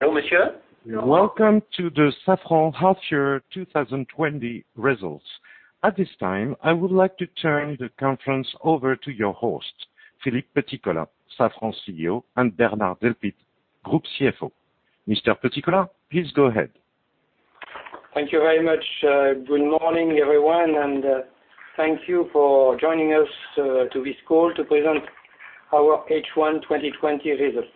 Hello, monsieur. Welcome to the Safran half year 2020 results. At this time, I would like to turn the conference over to your host, Philippe Petitcolin, Safran CEO, and Bernard Delpit, Group CFO. Mr. Petitcolin, please go ahead. Thank you very much. Good morning, everyone, and thank you for joining us to this call to present our H1 2020 results.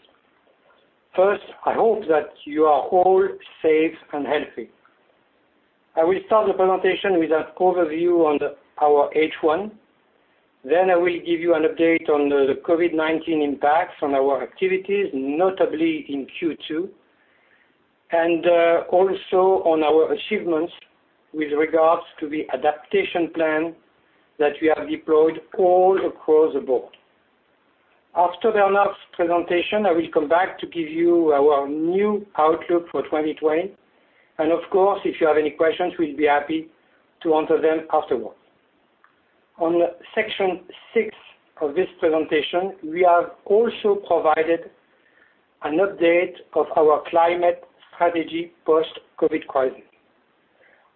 First, I hope that you are all safe and healthy. I will start the presentation with an overview on our H1, then I will give you an update on the COVID-19 impacts on our activities, notably in Q2, and also on our achievements with regards to the adaptation plan that we have deployed all across the board. After Bernard's presentation, I will come back to give you our new outlook for 2020, and of course, if you have any questions, we'll be happy to answer them afterwards. On section six of this presentation, we have also provided an update of our climate strategy post-COVID crisis.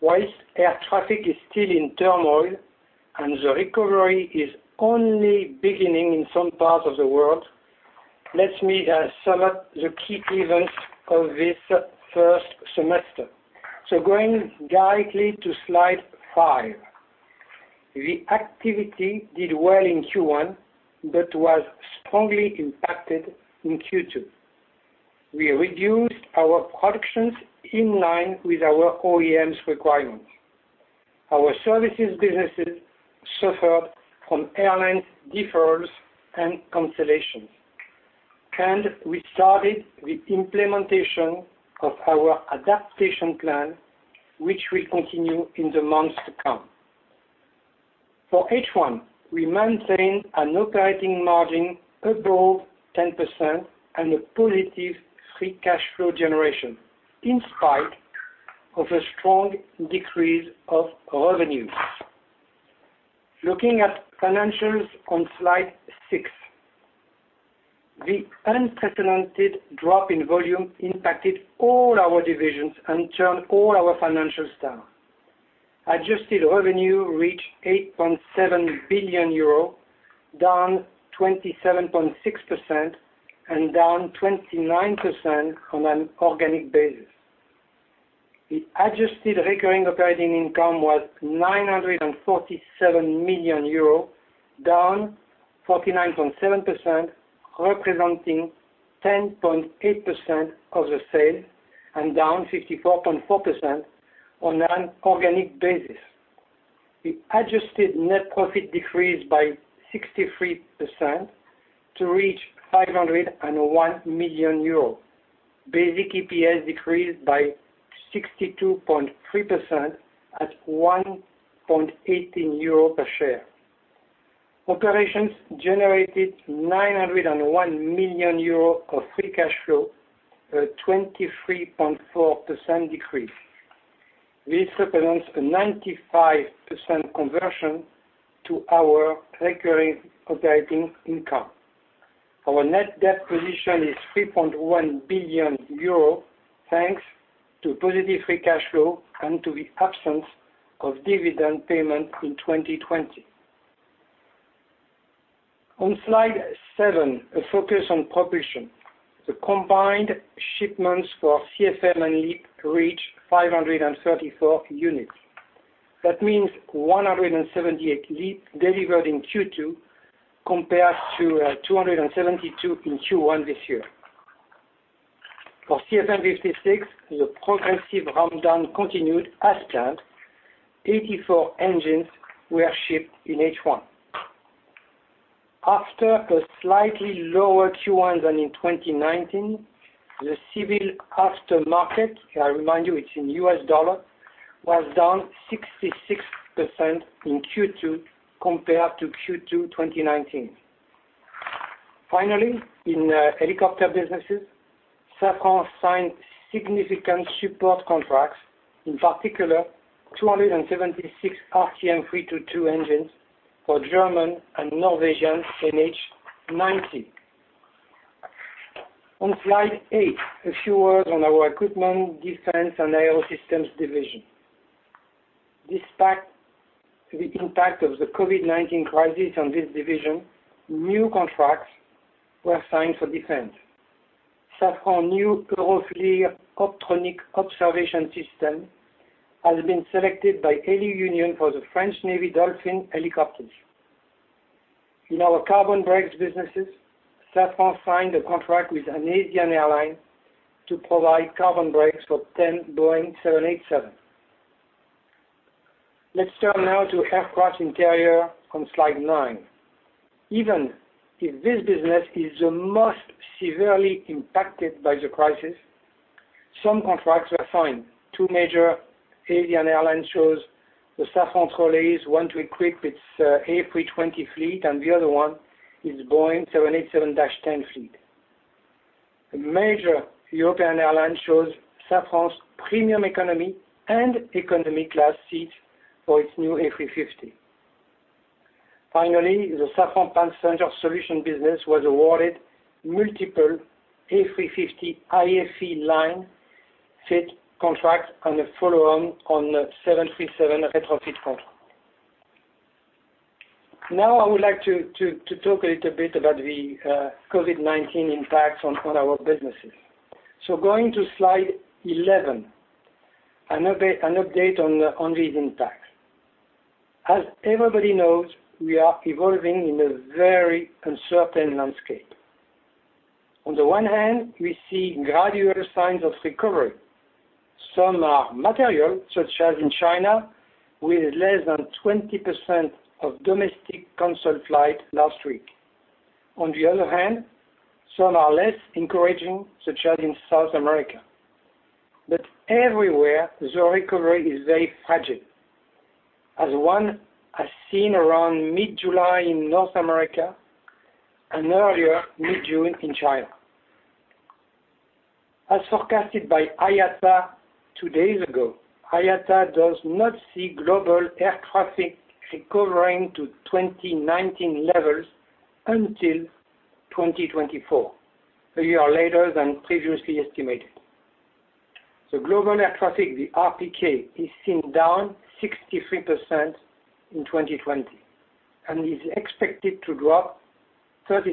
Whilst air traffic is still in turmoil and the recovery is only beginning in some parts of the world, let me sum up the key events of this first semester. Going directly to slide five. The activity did well in Q1, but was strongly impacted in Q2. We reduced our productions in line with our OEM's requirements. Our services businesses suffered from airlines deferrals and cancellations. We started the implementation of our adaptation plan, which we continue in the months to come. For H1, we maintain an operating margin above 10% and a positive free cash flow generation in spite of a strong decrease of revenues. Looking at financials on slide six. The unprecedented drop in volume impacted all our divisions and turned all our financials down. Adjusted revenue reached €8.7 billion, down 27.6% and down 29% on an organic basis. The adjusted recurring operating income was 947 million euro, down 49.7%, representing 10.8% of the sale and down 54.4% on an organic basis. The adjusted net profit decreased by 63% to reach 501 million euros. Basic EPS decreased by 62.3% at 1.18 euro per share. Operations generated 901 million euro of free cash flow, a 23.4% decrease. This represents a 95% conversion to our recurring operating income. Our net debt position is 3.1 billion euro, thanks to positive free cash flow and to the absence of dividend payment in 2020. On slide seven, a focus on Propulsion. The combined shipments for CFM and LEAP reached 534 units. That means 178 LEAP delivered in Q2, compared to 272 in Q1 this year. For CFM56, the progressive rundown continued as planned. 84 engines were shipped in H1. After a slightly lower Q1 than in 2019, the civil aftermarket, I remind you, it's in U.S. dollar, was down 66% in Q2 compared to Q2 2019. In helicopter businesses, Safran signed significant support contracts, in particular, 276 RTM322 engines for German and Norwegian NH90. On slide eight, a few words on our Equipment, Defense, and Aerosystems division. Despite the impact of the COVID-19 crisis on this division, new contracts were signed for defense. Safran's new PASEO optronic observation system has been selected by the Héli-Union for the French Navy Dauphin helicopters. In our carbon brakes businesses, Safran signed a contract with an Asian airline to provide carbon brakes for 10 Boeing 787. Let's turn now to Aircraft Interiors on slide nine. Even if this business is the most severely impacted by the crisis, some contracts were signed. Two major Asian airlines chose the Safran trolleys, one to equip its A320 fleet, and the other one, its Boeing 787-10 fleet. A major European airline chose Safran's premium economy and economy class seats for its new A350. The Safran Passenger Solutions solutions business was awarded multiple A350 IFE line fit contracts and a follow-on on the 737 retrofit contract. I would like to talk a little bit about the COVID-19 impact on our businesses. Going to slide 11, an update on these impacts. As everybody knows, we are evolving in a very uncertain landscape. On the one hand, we see gradual signs of recovery. Some are material, such as in China, with less than 20% of domestic canceled flights last week. On the other hand, some are less encouraging, such as in South America. Everywhere, the recovery is very fragile, as one has seen around mid-July in North America and earlier mid-June in China. As forecasted by IATA two days ago, IATA does not see global air traffic recovering to 2019 levels until 2024, a year later than previously estimated. Global air traffic, the RPK, is seen down 63% in 2020 and is expected to drop 36%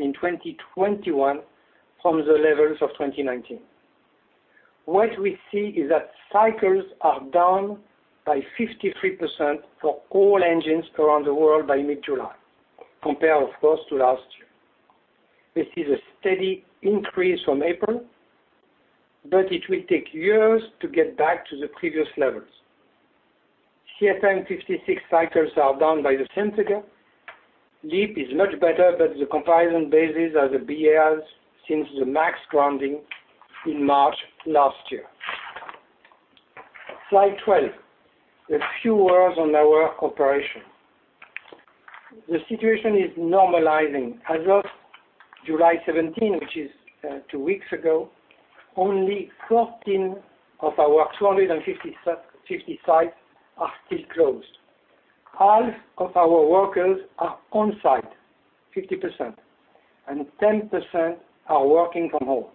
in 2021 from the levels of 2019. What we see is that cycles are down by 53% for all engines around the world by mid-July, compared, of course, to last year. This is a steady increase from April, but it will take years to get back to the previous levels. CFM56 cycles are down by the same figure. LEAP is much better, but the comparison bases are the bases since the MAX grounding in March last year. Slide 12, a few words on our operation. The situation is normalizing. As of July 17, which is two weeks ago, only 14 of our 250 sites are still closed. Half of our workers are on-site, 50%, and 10% are working from home.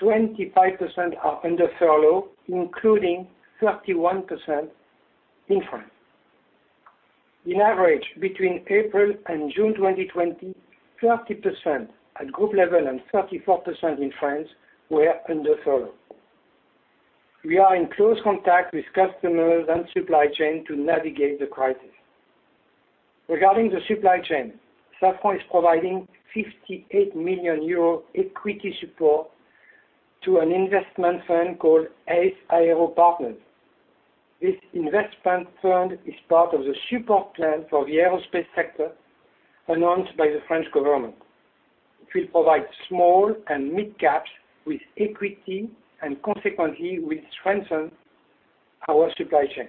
25% are under furlough, including 31% in France. On average, between April and June 2020, 30% at group level and 34% in France were under furlough. We are in close contact with customers and supply chain to navigate the crisis. Regarding the supply chain, Safran is providing 58 million euro equity support to an investment fund called ACE Aero Partenaires. This investment fund is part of the support plan for the aerospace sector announced by the French Government. It will provide small and mid-caps with equity, and consequently, will strengthen our supply chain.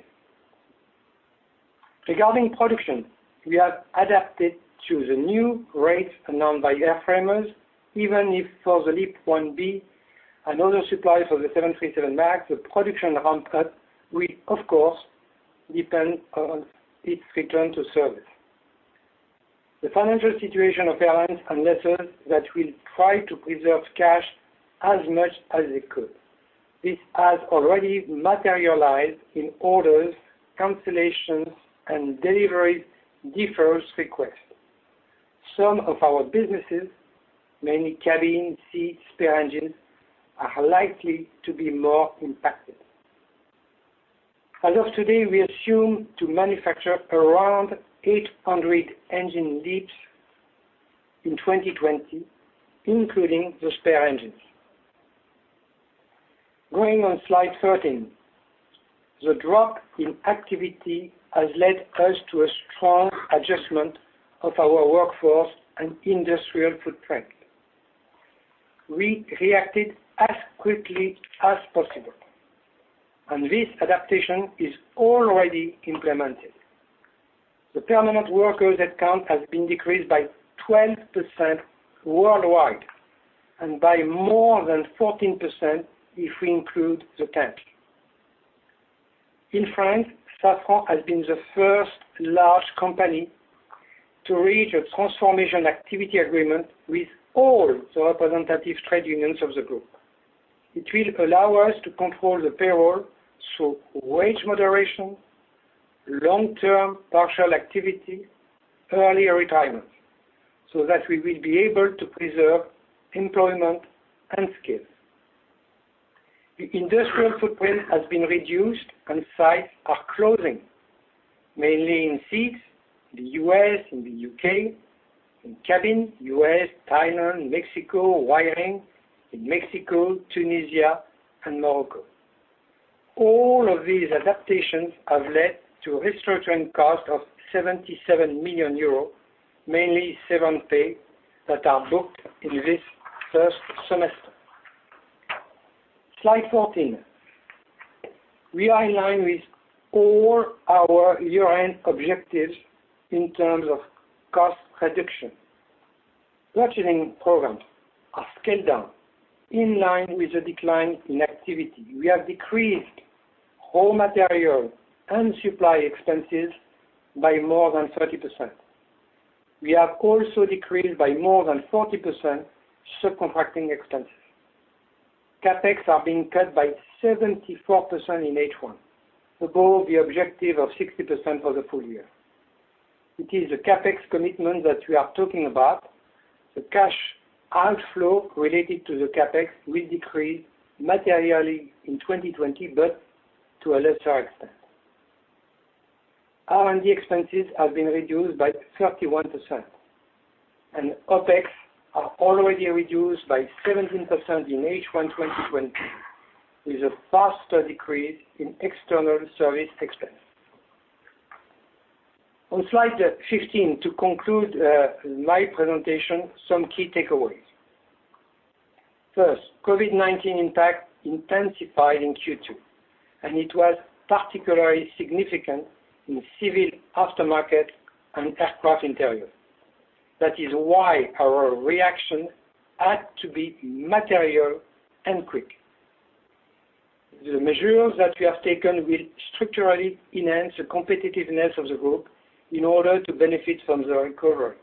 Regarding production, we have adapted to the new rates announced by airframers, even if for the LEAP-1B and other suppliers of the 737 MAX, the production ramp-up will, of course, depend on its return to service. The financial situation apparent unless that we try to preserve cash as much as we could. This has already materialized in orders, cancellations, and delivery deferral requests. Some of our businesses, mainly cabin, seats, spare engines, are likely to be more impacted. As of today, we assume to manufacture around 800 engine LEAPS in 2020, including the spare engines. Going on slide 13. The drop in activity has led us to a strong adjustment of our workforce and industrial footprint. We reacted as quickly as possible, and this adaptation is already implemented. The permanent worker headcount has been decreased by 12% worldwide and by more than 14% if we include the temp. In France, Safran has been the first large company to reach a transformation activity agreement with all the representative trade unions of the group. It will allow us to control the payroll through wage moderation, long-term partial activity, earlier retirement, so that we will be able to preserve employment and skills. The industrial footprint has been reduced and sites are closing, mainly in seats in the U.S. and the U.K., in cabin, U.S., Thailand, Mexico, wiring in Mexico, Tunisia and Morocco. All of these adaptations have led to restructuring costs of 77 million euros, mainly severance pay that are booked in this first semester. Slide 14. We are in line with all our year-end objectives in terms of cost reduction. Purchasing programs are scaled down in line with the decline in activity. We have decreased raw material and supply expenses by more than 30%. We have also decreased by more than 40% subcontracting expenses. CapEx are being cut by 74% in H1, above the objective of 60% for the full year. It is the CapEx commitment that we are talking about. The cash outflow related to the CapEx will decrease materially in 2020, but to a lesser extent. R&D expenses have been reduced by 31%, and OpEx are already reduced by 17% in H1 2020, with a faster decrease in external service expense. On slide 15, to conclude my presentation, some key takeaways. First, COVID-19 impact intensified in Q2, and it was particularly significant in civil aftermarket and Aircraft Interiors. That is why our reaction had to be material and quick. The measures that we have taken will structurally enhance the competitiveness of the group in order to benefit from the recovery.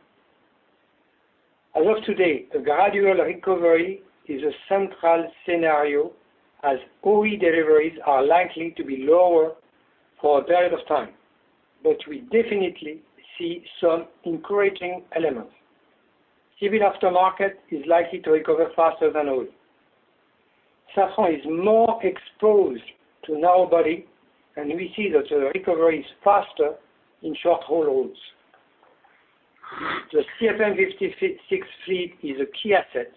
As of today, a gradual recovery is a central scenario as OE deliveries are likely to be lower for a period of time. We definitely see some encouraging elements. Civil aftermarket is likely to recover faster than OE. Safran is more exposed to narrow body. We see that the recovery is faster in short-haul routes. The CFM56 fleet is a key asset.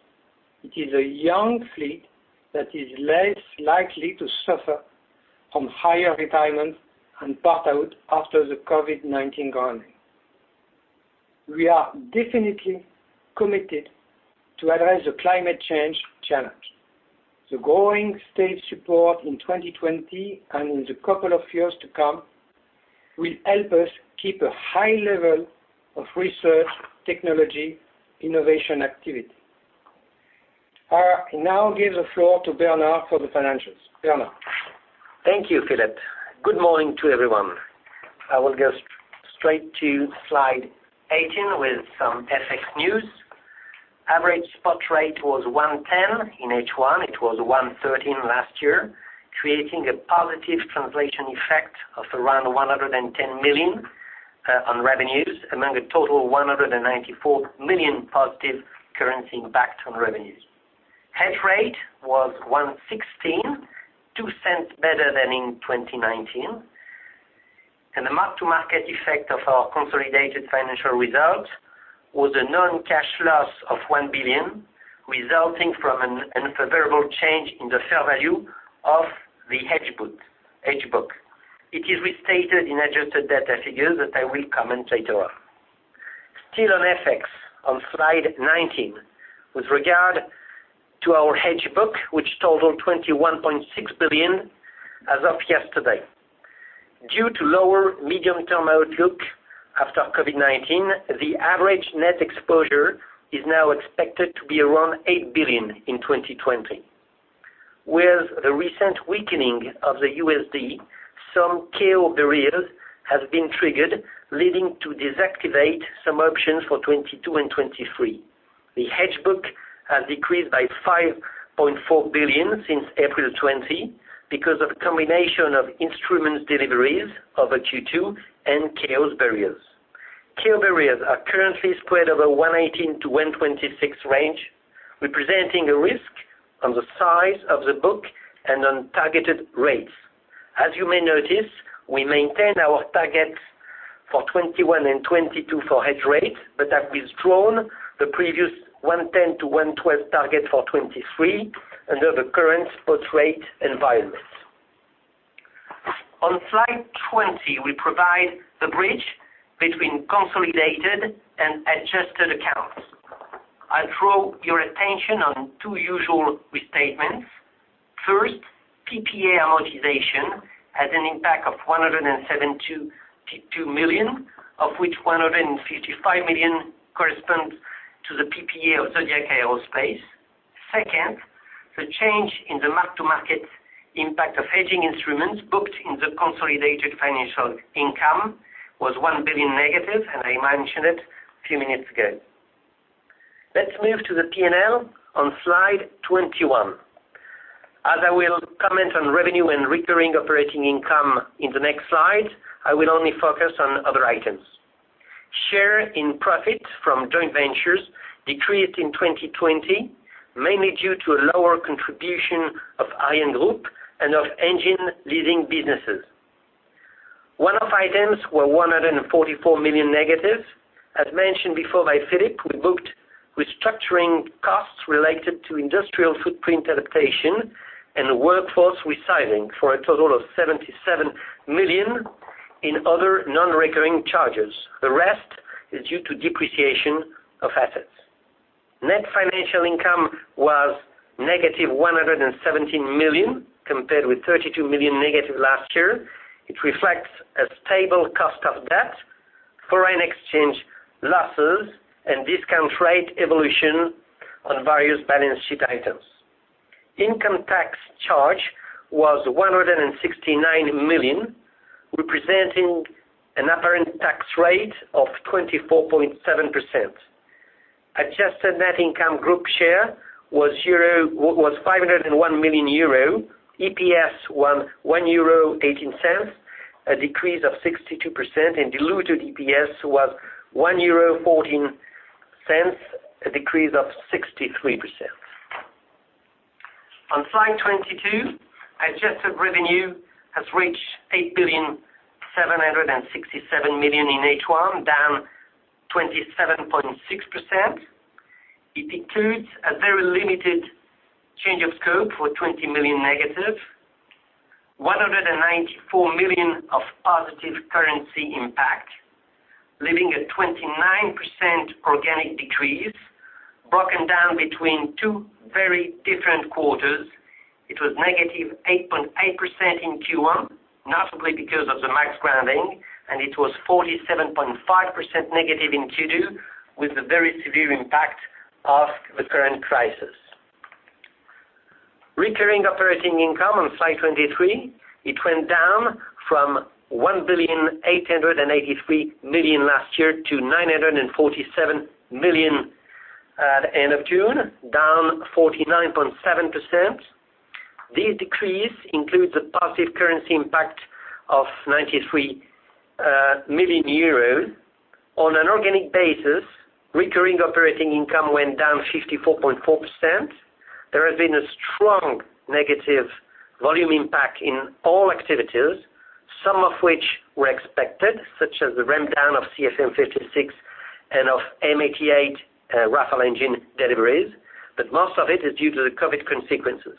It is a young fleet that is less likely to suffer from higher retirement and part-out after the COVID-19 grounding. We are definitely committed to address the climate change challenge. The growing state support in 2020 and in the couple of years to come will help us keep a high level of research, technology, innovation activity. I now give the floor to Bernard for the financials. Bernard? Thank you, Philippe. Good morning to everyone. I will go straight to slide 18 with some FX news. Average spot rate was 110 in H1, it was 113 last year, creating a positive translation effect of around 110 million on revenues, among a total 194 million positive currency impact on revenues. Hedge rate was 116, 0.02 better than in 2019. The mark-to-market effect of our consolidated financial results was a non-cash loss of 1 billion, resulting from an unfavorable change in the fair value of the hedge book. It is restated in adjusted data figures that I will comment later on. Still on FX, on slide 19, with regard to our hedge book, which totaled 21.6 billion as of yesterday. Due to lower medium-term outlook after COVID-19, the average net exposure is now expected to be around 8 billion in 2020. With the recent weakening of the USD, some KO barriers have been triggered, leading to deactivate some options for 2022 and 2023. The hedge book has decreased by 5.4 billion since April 20 because of combination of instruments deliveries over Q2 and KO barriers. KO barriers are currently spread over 118-126 range, representing a risk on the size of the book and on targeted rates. You may notice, we maintain our targets for 2021 and 2022 for hedge rate, but have withdrawn the previous 110 to 112 target for 2023 under the current spot rate environment. On slide 20, we provide the bridge between consolidated and adjusted accounts. I draw your attention on two usual restatements. First, PPA amortization had an impact of 172 million, of which 155 million corresponds to the PPA of Zodiac Aerospace. Second, the change in the mark-to-market impact of hedging instruments booked in the consolidated financial income was 1 billion negative. I mentioned it a few minutes ago. Let's move to the P&L on slide 21. As I will comment on revenue and recurring operating income in the next slide, I will only focus on other items. Share in profit from joint ventures decreased in 2020, mainly due to a lower contribution of ArianeGroup and of Engine Leasing businesses. One-off items were 144 million negative. As mentioned before by Philippe, we booked restructuring costs related to industrial footprint adaptation and workforce resizing for a total of 77 million in other non-recurring charges. The rest is due to depreciation of assets. Net financial income was negative 117 million, compared with 32 million negative last year. It reflects a stable cost of debt, foreign exchange losses, and discount rate evolution on various balance sheet items. Income tax charge was 169 million, representing an apparent tax rate of 24.7%. Adjusted net income group share was 501 million euro. EPS was 1.18, a decrease of 62%, and diluted EPS was 1.14 euro, a decrease of 63%. On slide 22, adjusted revenue has reached 8,767 million in H1, down 27.6%. It includes a very limited change of scope for 20 million negative, 194 million of positive currency impact, leaving a 29% organic decrease, broken down between two very different quarters. It was negative 8.8% in Q1, notably because of the MAX grounding, and it was 47.5% negative in Q2, with a very severe impact of the current crisis. Recurring operating income on slide 23. It went down from 1.883 billion last year to 947 million at the end of June, down 49.7%. This decrease includes a positive currency impact of 93 million euros. On an organic basis, recurring operating income went down 54.4%. There has been a strong negative volume impact in all activities, some of which were expected, such as the ramp down of CFM56 and of M88 Rafale engine deliveries. Most of it is due to the COVID consequences.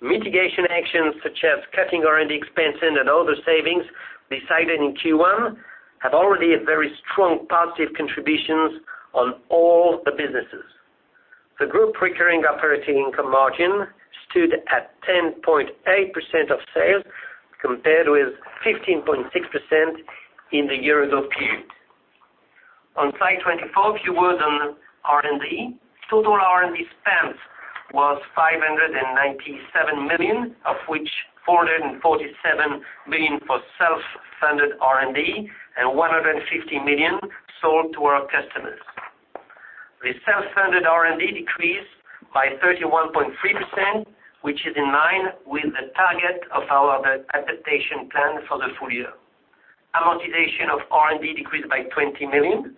Mitigation actions, such as cutting R&D expenses and other savings decided in Q1, have already a very strong positive contributions on all the businesses. The group recurring operating income margin stood at 10.8% of sales, compared with 15.6% in the year-ago period. On slide 24, a few words on R&D. Total R&D spent was 597 million, of which 447 million for self-funded R&D and 150 million sold to our customers. The self-funded R&D decreased by 31.3%, which is in line with the target of our adaptation plan for the full year. Amortization of R&D decreased by 20 million.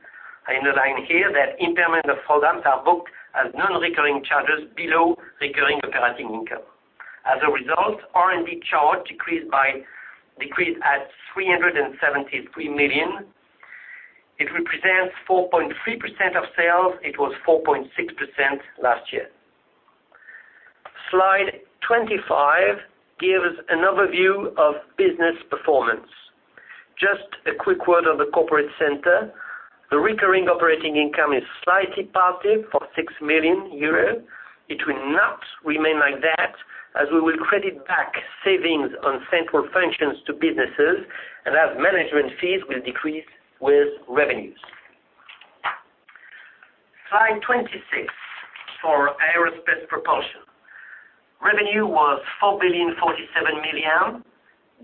I underline here that impairment of products are booked as non-recurring charges below recurring operating income. R&D charge decreased at 373 million. It represents 4.3% of sales. It was 4.6% last year. Slide 25 gives an overview of business performance. Just a quick word on the corporate center. The recurring operating income is slightly positive for 6 million euros. It will not remain like that as we will credit back savings on central functions to businesses and as management fees will decrease with revenues. Slide 26 for aerospace propulsion. Revenue was EUR 4.047 billion,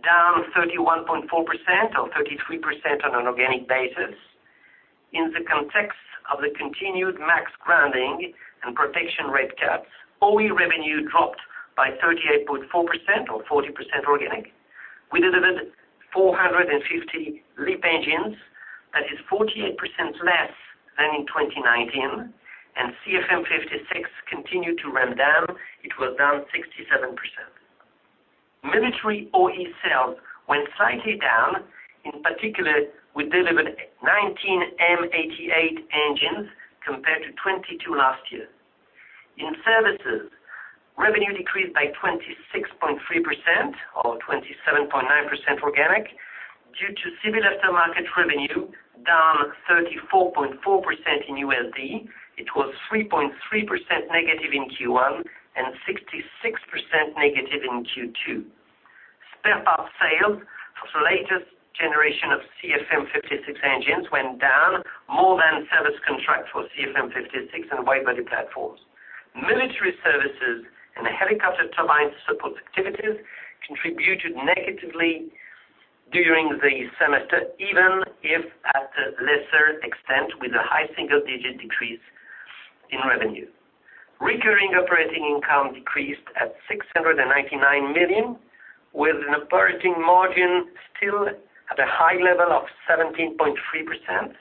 down 31.4% or 33% on an organic basis. In the context of the continued MAX grounding and protection rate caps, OE revenue dropped by 38.4% or 40% organic. We delivered 450 LEAP engines. That is 48% less than in 2019, and CFM56 continued to ramp down. It was down 67%. Military OE sales went slightly down. In particular, we delivered 19 M88 engines compared to 22 last year. In services, revenue decreased by 26.3% or 27.9% organic due to civil aftermarket revenue, down 34.4% in USD. It was 3.3% negative in Q1 and 66% negative in Q2. Spare parts sales for the latest generation of CFM56 engines went down more than service contract for CFM56 and widebody platforms. Military services and helicopter turbine support activities contributed negatively during the semester, even if at a lesser extent, with a high single-digit decrease in revenue. Recurring operating income decreased at 699 million, with an operating margin still at a high level of 17.3%.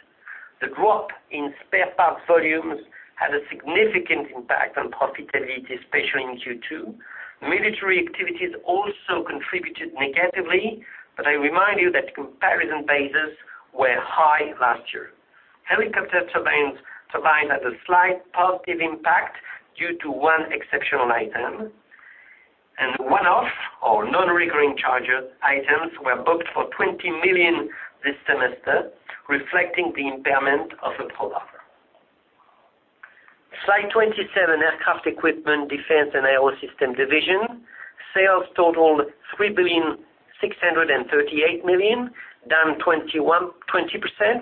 The drop in spare parts volumes had a significant impact on profitability, especially in Q2. Military activities also contributed negatively, but I remind you that comparison bases were high last year. Helicopter turbines had a slight positive impact due to one exceptional item, and one-off or non-recurring charge items were booked for 20 million this semester, reflecting the impairment of a product. Slide 27, Aircraft Equipment, Defense and Aerosystems division. Sales totaled 3,638 million, down 20%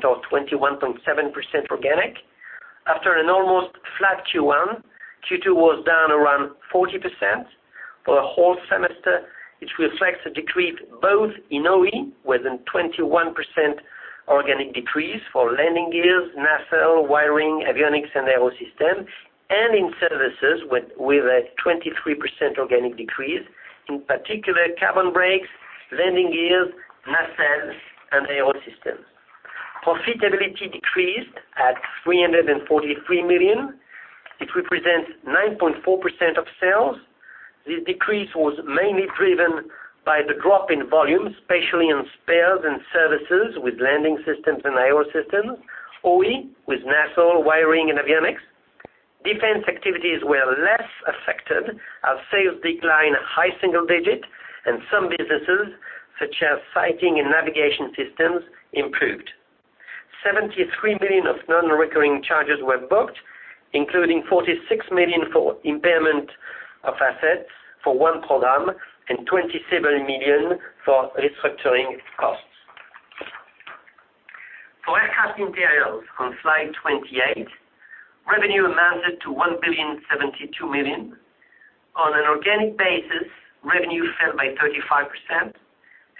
or 21.7% organic. After an almost flat Q1, Q2 was down around 40%. For the whole semester, it reflects a decrease both in OE with a 21% organic decrease for landing gears, nacelle, wiring, avionics and Aerosystems, and in services with a 23% organic decrease, in particular, carbon brakes, landing gears, nacelles, and Aerosystems. Profitability decreased at 343 million. It represents 9.4% of sales. This decrease was mainly driven by the drop in volume, especially in spares and services with landing systems and Aerosystems, OE with nacelle, wiring, and avionics. Defense activities were less affected as sales declined high single-digit and some businesses, such as sighting and navigation systems, improved. 73 million of non-recurring charges were booked, including 46 million for impairment of assets for one program and 27 million for restructuring costs. For Aircraft Interiors on slide 28, revenue amounted to 1.072 billion. On an organic basis, revenue fell by 35%.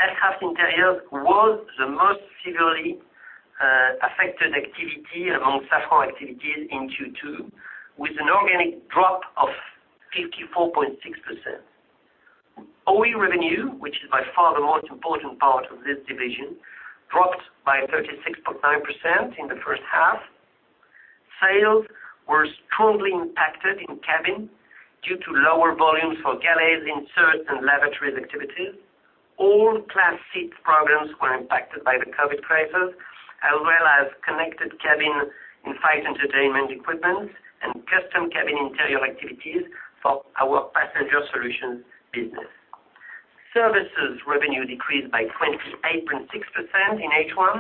Aircraft Interiors was the most severely affected activity among Safran activities in Q2, with an organic drop of 54.6%. OE revenue, which is by far the most important part of this division, dropped by 36.9% in the first half. Sales were strongly impacted in cabin due to lower volumes for galleys insert and lavatory activities. All class seat programs were impacted by the COVID crisis, as well as connected cabin in-flight entertainment equipment and custom cabin interior activities for our Safran Passenger Solutions business. Services revenue decreased by 28.6% in H1.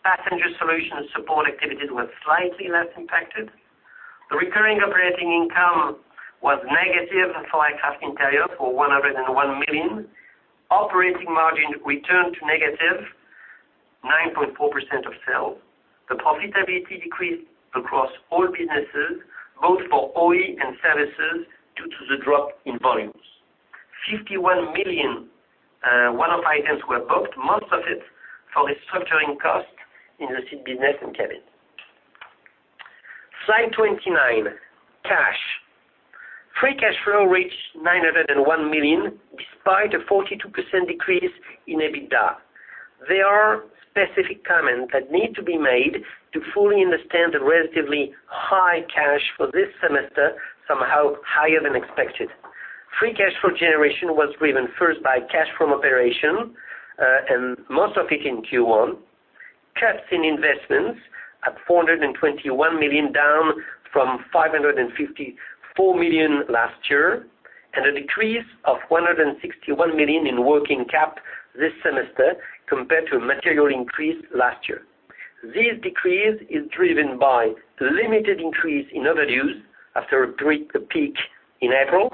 Safran Solutions support activities were slightly less impacted. The recurring operating income was negative for Aircraft Interiors for 101 million. Operating margin returned to negative 9.4% of sales. The profitability decreased across all businesses, both for OE and services due to the drop in volumes. 51 million one-off items were booked, most of it for restructuring costs in the seat business and cabin. Slide 29, cash. Free cash flow reached 901 million, despite a 42% decrease in EBITDA. There are specific comments that need to be made to fully understand the relatively high cash for this semester, somehow higher than expected. Free cash flow generation was driven first by cash from operation, and most of it in Q1. Cuts in investments at 421 million, down from 554 million last year, and a decrease of 161 million in working cap this semester compared to a material increase last year. This decrease is driven by limited increase in other dues after a brief peak in April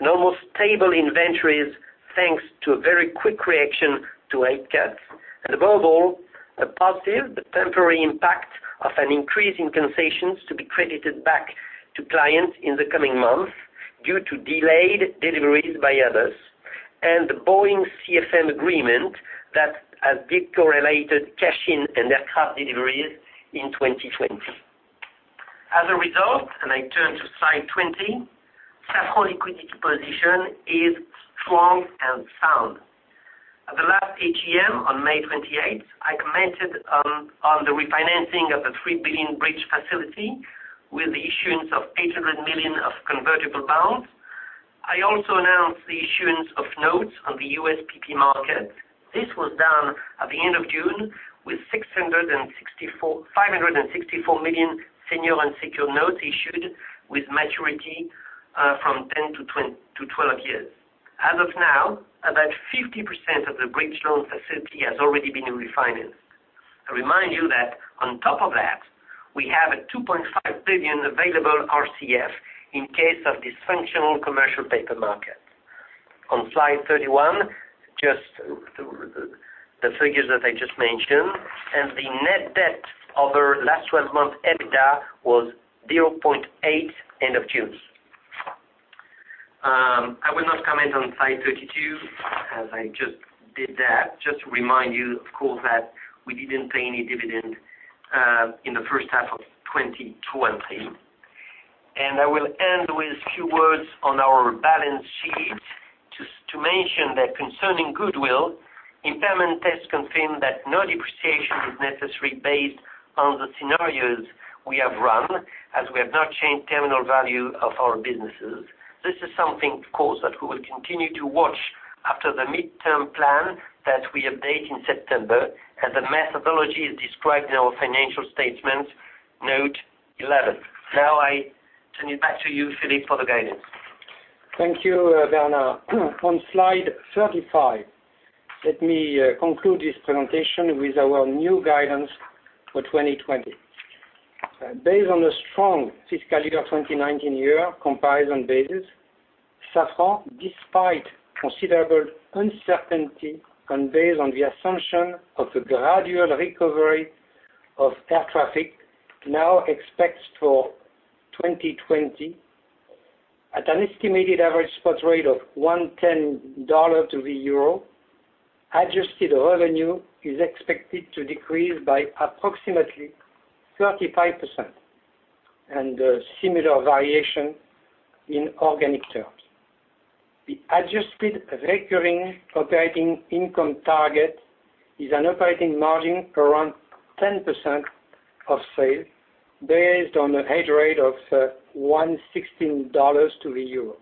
and almost stable inventories, thanks to a very quick reaction to rate cuts, and above all, a positive but temporary impact of an increase in concessions to be credited back to clients in the coming months due to delayed deliveries by others, and the Boeing CFM agreement that has decorrelated cash-in and aircraft deliveries in 2020. As a result, and I turn to slide 20, Safran liquidity position is strong and sound. At the last AGM on May 28th, I commented on the refinancing of the 3 billion bridge facility with the issuance of 800 million of convertible bonds. I also announced the issuance of notes on the USPP market. This was done at the end of June with 564 million senior unsecured notes issued with maturity from 10 to 12 years. As of now, about 50% of the bridge loan facility has already been refinanced. I remind you that on top of that, we have a 2.5 billion available RCF in case of dysfunctional commercial paper market. On slide 31, the figures that I just mentioned and the net debt over last 12 months EBITDA was 0.8 end of June. I will not comment on slide 32 as I just did that. Just to remind you, of course, that we didn't pay any dividend in the first half of 2020. I will end with a few words on our balance sheet to mention that concerning goodwill, impairment tests confirm that no depreciation is necessary based on the scenarios we have run, as we have not changed terminal value of our businesses. This is something, of course, that we will continue to watch after the midterm plan that we update in September. The methodology is described in our financial statements, note 11. Now I turn it back to you, Philippe, for the guidance. Thank you, Bernard. On slide 35, let me conclude this presentation with our new guidance for 2020. Based on a strong fiscal year 2019 year comparison basis, Safran, despite considerable uncertainty and based on the assumption of the gradual recovery of air traffic, now expects for 2020, at an estimated average spot rate of $1.10 to the EUR, adjusted revenue is expected to decrease by approximately 35%, a similar variation in organic terms. The adjusted recurring operating income target is an operating margin around 10% of sales, based on an hedge rate of $1.16 to the EUR,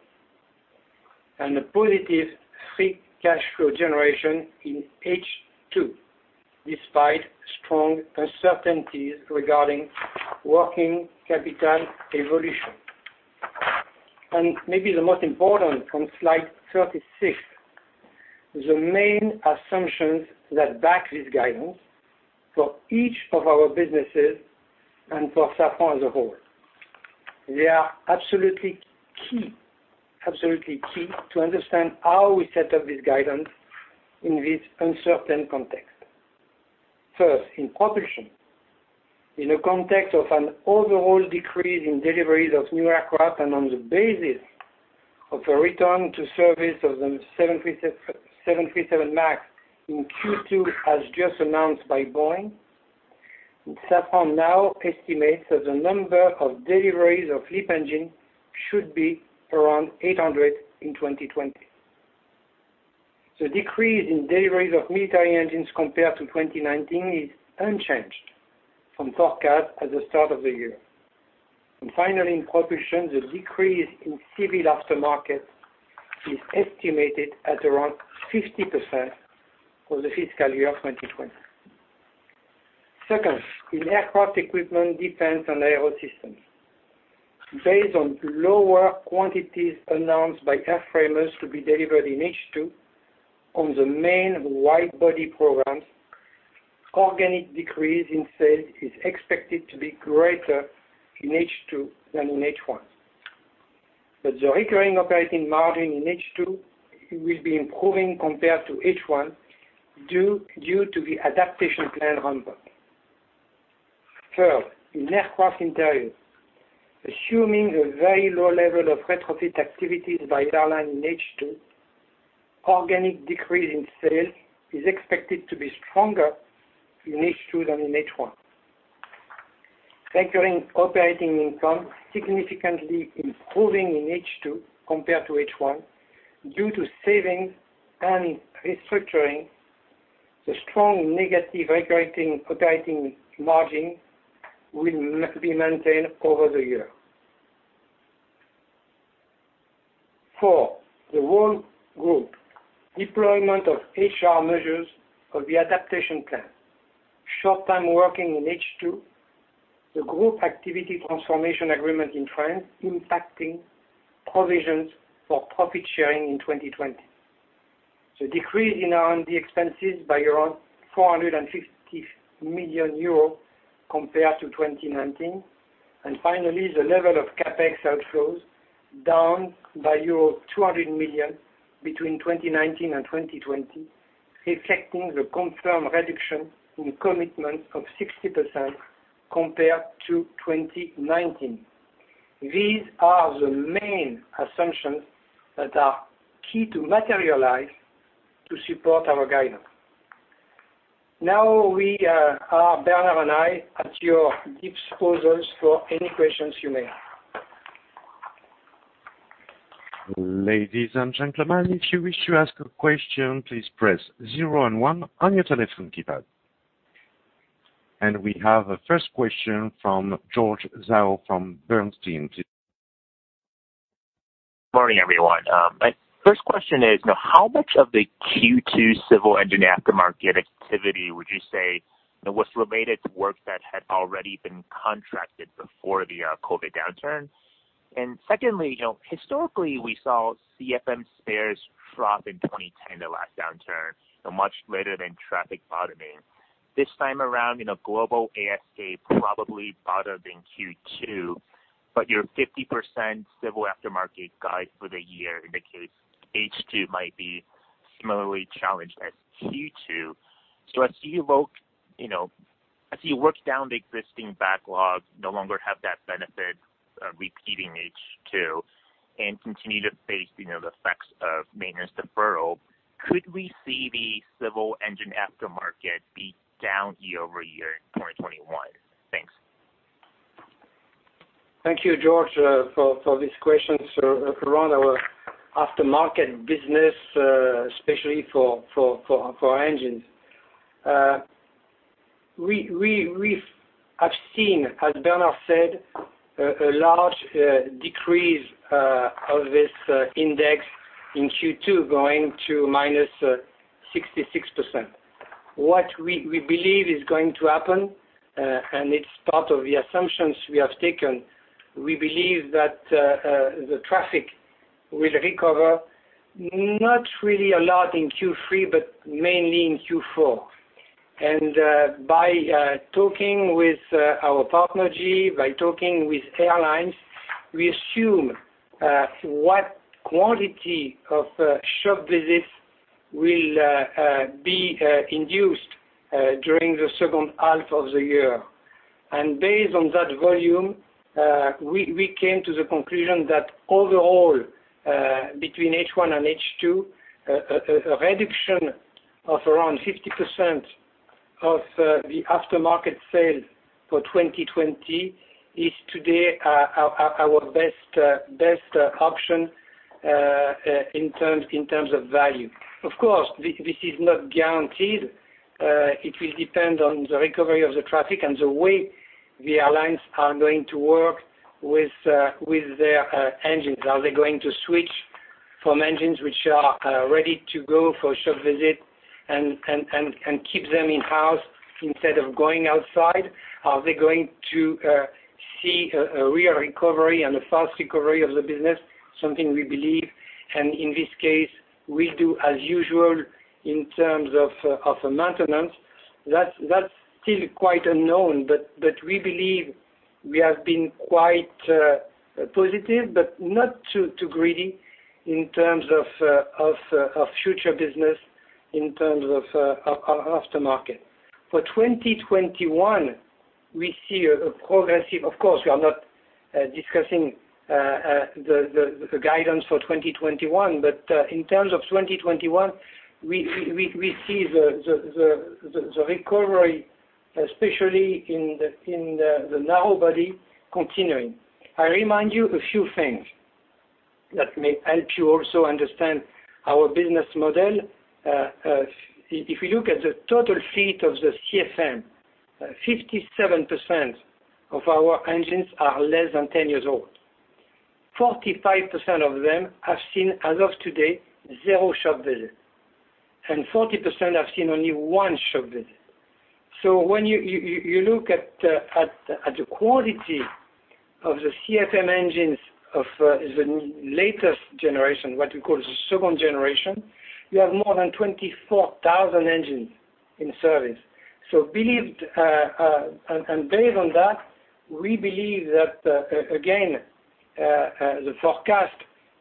a positive free cash flow generation in H2, despite strong uncertainties regarding working capital evolution. Maybe the most important, on slide 36, the main assumptions that back this guidance for each of our businesses and for Safran as a whole. They are absolutely key to understand how we set up this guidance in this uncertain context. First, in propulsion. In a context of an overall decrease in deliveries of new aircraft and on the basis of a return to service of the 737 MAX in Q2, as just announced by Boeing, Safran now estimates that the number of deliveries of LEAP engine should be around 800 in 2020. The decrease in deliveries of military engines compared to 2019 is unchanged from forecast at the start of the year. Finally, in propulsion, the decrease in civil aftermarket is estimated at around 50% for the fiscal year 2020. Second, in Aircraft Equipment, Defense and Aerosystems. Based on lower quantities announced by airframers to be delivered in H2 on the main wide body programs, organic decrease in sales is expected to be greater in H2 than in H1. The recurring operating margin in H2 will be improving compared to H1 due to the adaptation plan ramp-up. Third, in Aircraft Interiors. Assuming a very low level of retrofit activities by airline in H2, organic decrease in sales is expected to be stronger in H2 than in H1. Recurring operating income, significantly improving in H2 compared to H1 due to savings and restructuring. The strong negative recurring operating margin will be maintained over the year. Four, the whole group. Deployment of HR measures of the adaptation plan. Short-term working in H2. The group activity transformation agreement in France impacting provisions for profit sharing in 2020. Decrease in R&D expenses by around 450 million euros compared to 2019. Finally, the level of CapEx outflows down by euro 200 million between 2019 and 2020, reflecting the confirmed reduction in commitments of 60% compared to 2019. These are the main assumptions that are key to materialize to support our guidance. We are, Bernard and I, at your disposal for any questions you may have. Ladies and gentlemen, if you wish to ask a question, please press zero and one on your telephone keypad. We have a first question from George Zhao from Bernstein. Morning, everyone. My first question is, how much of the Q2 civil engine aftermarket activity would you say was related to work that had already been contracted before the COVID downturn? Secondly, historically, we saw CFM spares trough in 2010, the last downturn, so much later than traffic bottoming. This time around, global ASK probably bottomed in Q2, but your 50% civil aftermarket guide for the year indicates H2 might be similarly challenged as Q2. As you work down the existing backlog, no longer have that benefit repeating H2, and continue to face the effects of maintenance deferral, could we see the civil engine aftermarket be down year-over-year in 2021? Thanks. Thank you, George, for this question around our aftermarket business, especially for our engines. We have seen, as Bernard said, a large decrease of this index in Q2, going to minus 66%. What we believe is going to happen, and it's part of the assumptions we have taken, we believe that the traffic will recover not really a lot in Q3, but mainly in Q4. By talking with our partner, GE, by talking with airlines, we assume what quantity of shop visits will be induced during the second half of the year. Based on that volume, we came to the conclusion that overall, between H1 and H2, a reduction of around 50% of the aftermarket sale for 2020 is today our best option in terms of value. Of course, this is not guaranteed. It will depend on the recovery of the traffic and the way the airlines are going to work with their engines. Are they going to switch from engines which are ready to go for a shop visit and keep them in-house instead of going outside? Are they going to see a real recovery and a fast recovery of the business, something we believe, and in this case, will do as usual in terms of maintenance? That's still quite unknown. We believe we have been quite positive, but not too greedy in terms of future business, in terms of aftermarket. For 2021, Of course, we are not discussing the guidance for 2021, but in terms of 2021, we see the recovery, especially in the narrowbody continuing. I remind you a few things that may help you also understand our business model. If you look at the total fleet of the CFM, 57% of our engines are less than 10 years old. 45% of them have seen, as of today, zero shop visits, and 40% have seen only one shop visit. When you look at the quality of the CFM engines of the latest generation, what we call the second generation, you have more than 24,000 engines in service. Based on that, we believe that, again, the forecast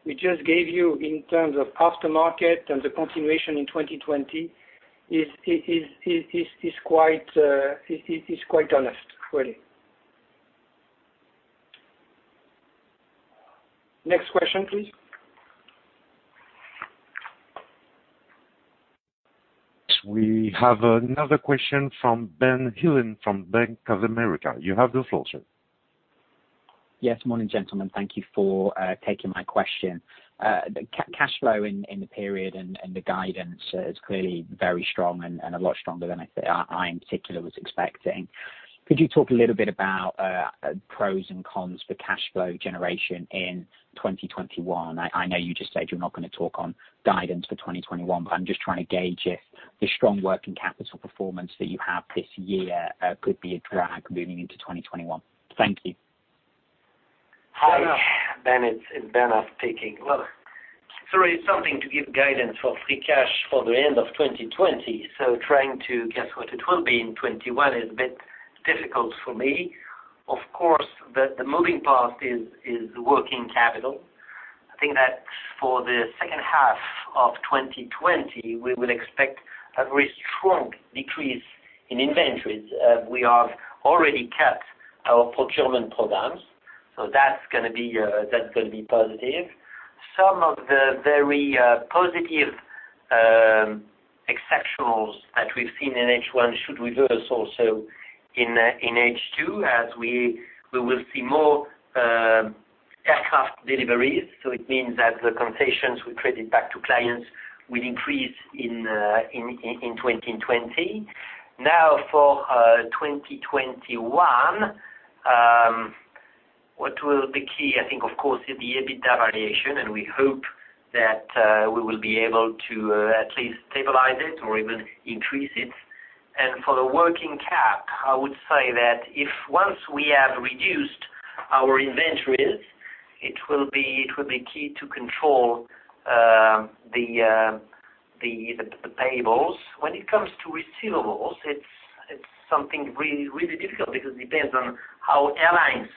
we just gave you in terms of aftermarket and the continuation in 2020 is quite honest, really. Next question, please. We have another question from Ben Heelan from Bank of America. You have the floor, sir. Yes, morning, gentlemen. Thank you for taking my question. Cash flow in the period and the guidance is clearly very strong and a lot stronger than I, in particular, was expecting. Could you talk a little bit about pros and cons for cash flow generation in 2021? I know you just said you're not going to talk on guidance for 2021, but I'm just trying to gauge if the strong working capital performance that you have this year could be a drag moving into 2021. Thank you. Hi. Hi, Ben. It's Bernard speaking. Well, sorry, it's something to give guidance for free cash for the end of 2020, so trying to guess what it will be in 2021 is a bit difficult for me. Of course, the moving part is working capital. I think that for the second half of 2020, we will expect a very strong decrease in inventories. We have already cut our procurement programs, so that's going to be positive. Some of the very positive exceptionals that we've seen in H1 should reverse also in H2, as we will see more aircraft deliveries. It means that the compensations we credit back to clients will increase in 2020. For 2021, what will the key, I think, of course, is the EBITDA variation, and we hope that we will be able to at least stabilize it or even increase it. For the working cap, I would say that if once we have reduced our inventories, it will be key to control the payables. When it comes to receivables, it's something really difficult because it depends on how airlines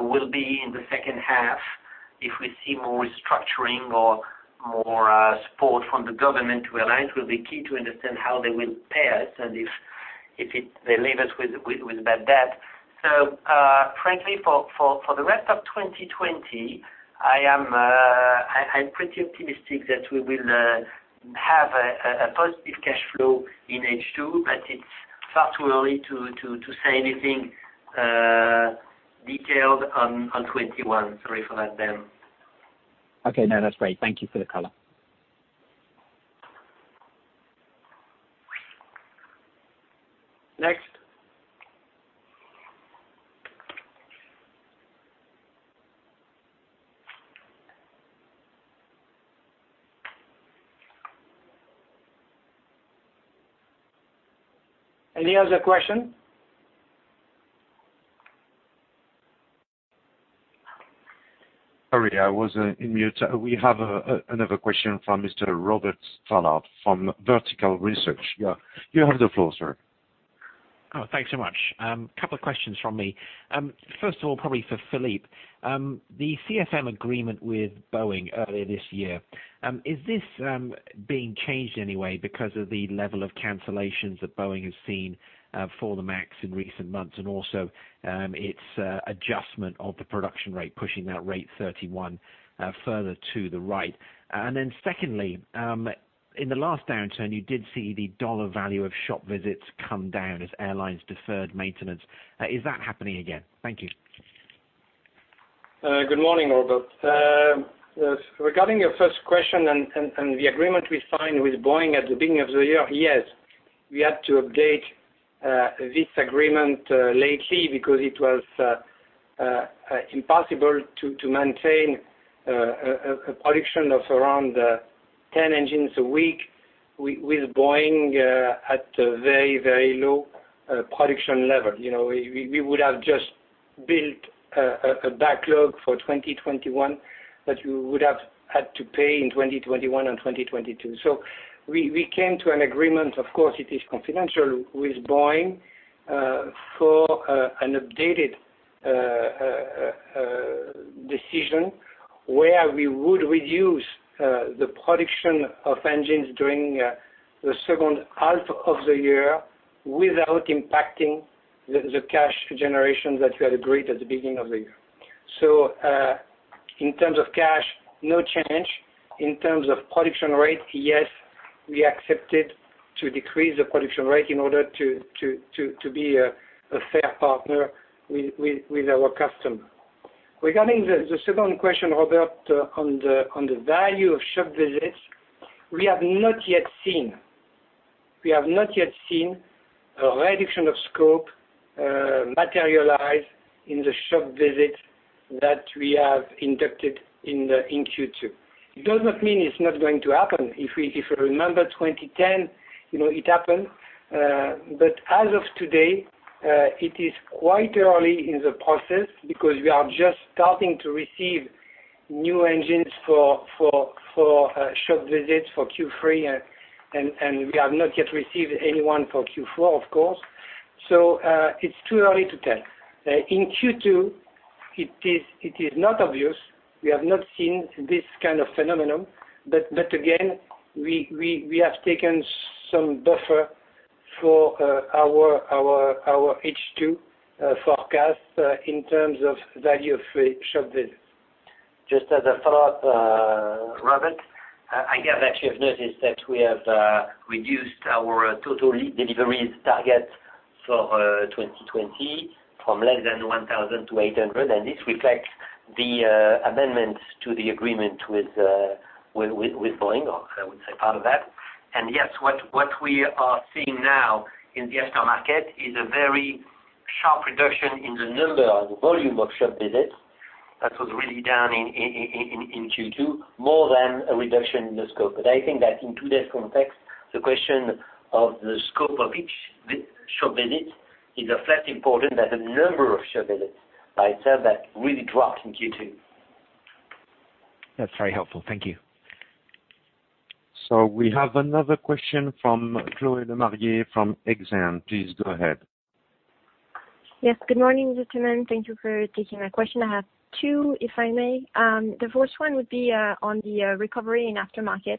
will be in the second half. If we see more restructuring or more support from the government to airlines, it will be key to understand how they will pay us and if they leave us with bad debt. Frankly, for the rest of 2020, I'm pretty optimistic that we will have a positive cash flow in H2, but it's far too early to say anything detailed on 2021. Sorry for that, Ben. Okay, no, that's great. Thank you for the color. Next. Any other question? Sorry, I was in mute. We have another question from Mr. Robert Stallard from Vertical Research. Yeah. You have the floor, sir. Thanks so much. Couple of questions from me. First of all, probably for Philippe. The CFM agreement with Boeing earlier this year, is this being changed in any way because of the level of cancellations that Boeing has seen for the Max in recent months, and also its adjustment of the production rate, pushing that rate 31 further to the right? Secondly, in the last downturn, you did see the dollar value of shop visits come down as airlines deferred maintenance. Is that happening again? Thank you. Good morning, Robert. Regarding your first question and the agreement we signed with Boeing at the beginning of the year, yes. We had to update this agreement lately because it was impossible to maintain a production of around 10 engines a week with Boeing at a very low production level. We would have just built a backlog for 2021 that we would have had to pay in 2021 and 2022. We came to an agreement, of course it is confidential, with Boeing, for an updated decision where we would reduce the production of engines during the second half of the year without impacting the cash generation that we had agreed at the beginning of the year. In terms of cash, no change. In terms of production rate, yes, we accepted to decrease the production rate in order to be a fair partner with our customer. Regarding the second question, Robert, on the value of shop visits, we have not yet seen a reduction of scope materialize in the shop visit that we have inducted in Q2. It does not mean it's not going to happen. If you remember 2010, it happened. As of today, it is quite early in the process because we are just starting to receive new engines for shop visits for Q3, and we have not yet received anyone for Q4, of course. It's too early to tell. In Q2, it is not obvious, we have not seen this kind of phenomenon, again, we have taken some buffer for our H2 forecast in terms of value of shop visits. Just as a follow-up, Robert, I guess that you've noticed that we have reduced our total deliveries target for 2020 from less than 1,000 to 800. This reflects the amendments to the agreement with Boeing, or I would say part of that. Yes, what we are seeing now in the aftermarket is a very sharp reduction in the number or the volume of shop visits that was really down in Q2, more than a reduction in the scope. I think that in today's context, the question of the scope of each shop visit is as important as the number of shop visits by itself that really dropped in Q2. That's very helpful. Thank you. We have another question from Chloé Lemarié from Exane. Please go ahead. Yes. Good morning, gentlemen. Thank you for taking my question. I have two, if I may. The first one would be on the recovery in aftermarket.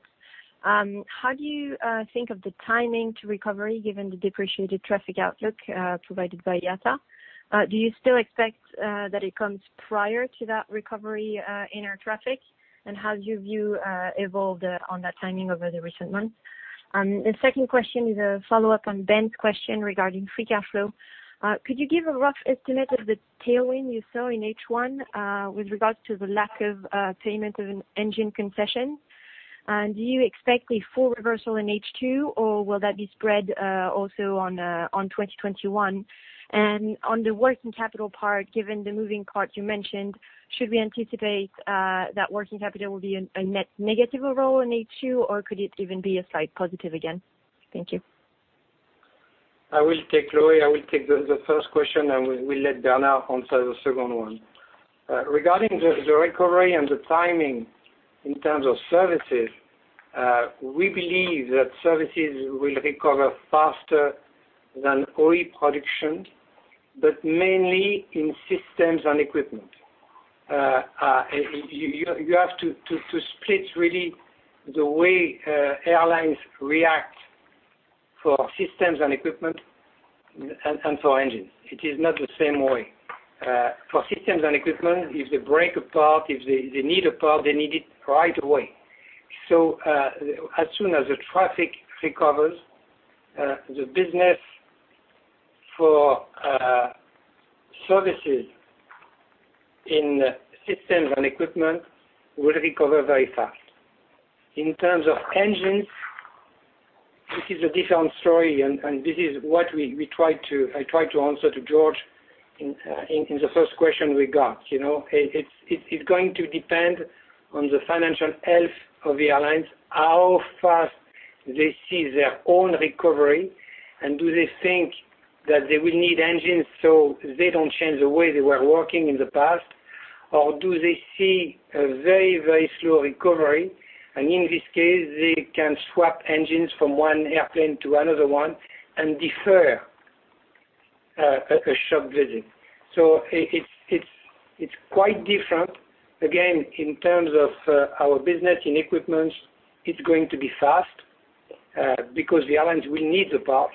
How do you think of the timing to recovery given the depreciated traffic outlook provided by IATA? Do you still expect that it comes prior to that recovery in air traffic? How has your view evolved on that timing over the recent months? The second question is a follow-up on Ben's question regarding free cash flow. Could you give a rough estimate of the tailwind you saw in H1 with regards to the lack of payment of an engine concession? Do you expect a full reversal in H2, or will that be spread also on 2021? On the working capital part, given the moving parts you mentioned, should we anticipate that working capital will be a net negative role in H2, or could it even be a slight positive again? Thank you. I will take, Chloé, I will take the first question, and we let Bernard answer the second one. Regarding the recovery and the timing in terms of services, we believe that services will recover faster than OE production, but mainly in systems and equipment. You have to split really the way airlines react for systems and equipment and for engines. It is not the same way. For systems and equipment, if they break a part, if they need a part, they need it right away. As soon as the traffic recovers, the business for services in systems and equipment will recover very fast. In terms of engines. This is a different story, and this is what I tried to answer to George in the first question we got. It's going to depend on the financial health of the airlines, how fast they see their own recovery, and do they think that they will need engines so they don't change the way they were working in the past? Or do they see a very slow recovery, and in this case, they can swap engines from one airplane to another one and defer a shop visit. It's quite different. Again, in terms of our business in equipments, it's going to be fast because the airlines will need the parts.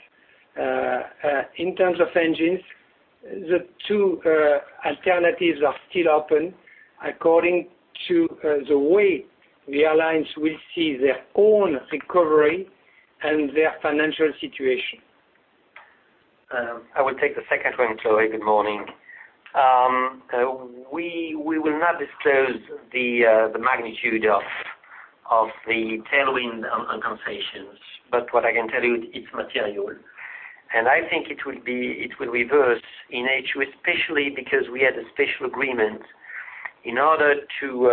In terms of engines, the two alternatives are still open according to the way the airlines will see their own recovery and their financial situation. I will take the second one, Chloé. Good morning. We will not disclose the magnitude of the tailwind on concessions. What I can tell you, it's material. I think it will reverse in H2, especially because we had a special agreement in order to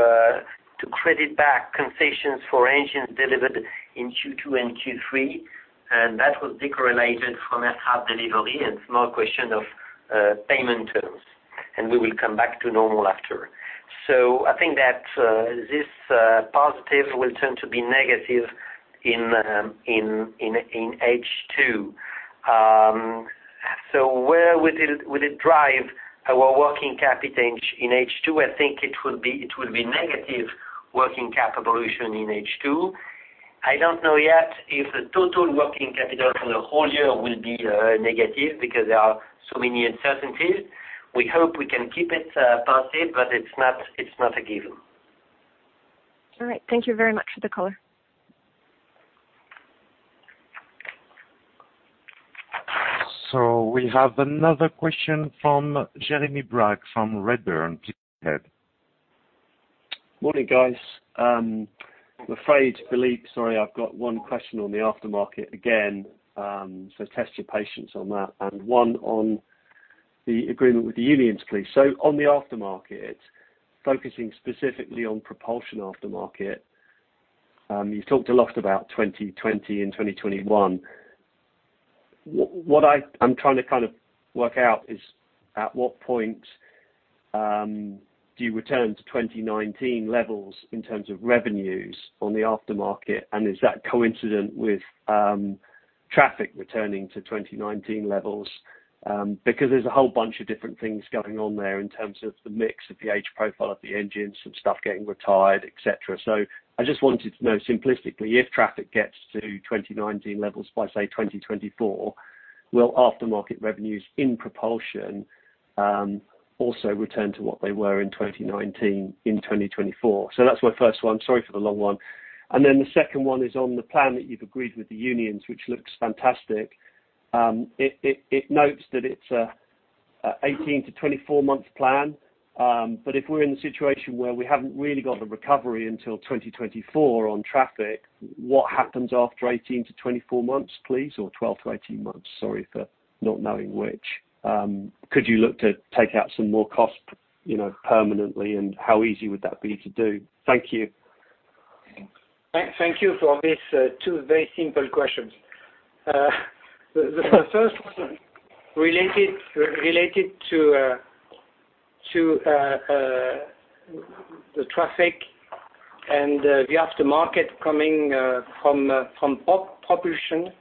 credit back concessions for engines delivered in Q2 and Q3, and that was de-correlated from FAL delivery and small question of payment terms. We will come back to normal after. I think that this positive will turn to be negative in H2. Where will it drive our working capital in H2? I think it will be negative working capital evolution in H2. I don't know yet if the total working capital for the whole year will be negative because there are so many uncertainties. We hope we can keep it positive, but it's not a given. All right. Thank you very much for the color. We have another question from Jeremy Bragg from Redburn. Please go ahead. Morning, guys. I'm afraid, Philippe, sorry, I've got one question on the aftermarket again, test your patience on that, and one on the agreement with the unions, please. On the aftermarket, focusing specifically on propulsion aftermarket, you talked a lot about 2020 and 2021. What I'm trying to work out is at what point do you return to 2019 levels in terms of revenues on the aftermarket, and is that coincident with traffic returning to 2019 levels? There's a whole bunch of different things going on there in terms of the mix of the age profile of the engines, some stuff getting retired, et cetera. I just wanted to know simplistically, if traffic gets to 2019 levels by, say, 2024, will aftermarket revenues in propulsion also return to what they were in 2019, in 2024? That's my first one. Sorry for the long one. The second one is on the plan that you've agreed with the unions, which looks fantastic. It notes that it's a 18-24 months plan. If we're in a situation where we haven't really got the recovery until 2024 on traffic, what happens after 18-24 months, please? 12-18 months. Sorry for not knowing which. Could you look to take out some more cost permanently, and how easy would that be to do? Thank you. Thank you for these two very simple questions. The first one related to the traffic and the aftermarket coming from propulsion.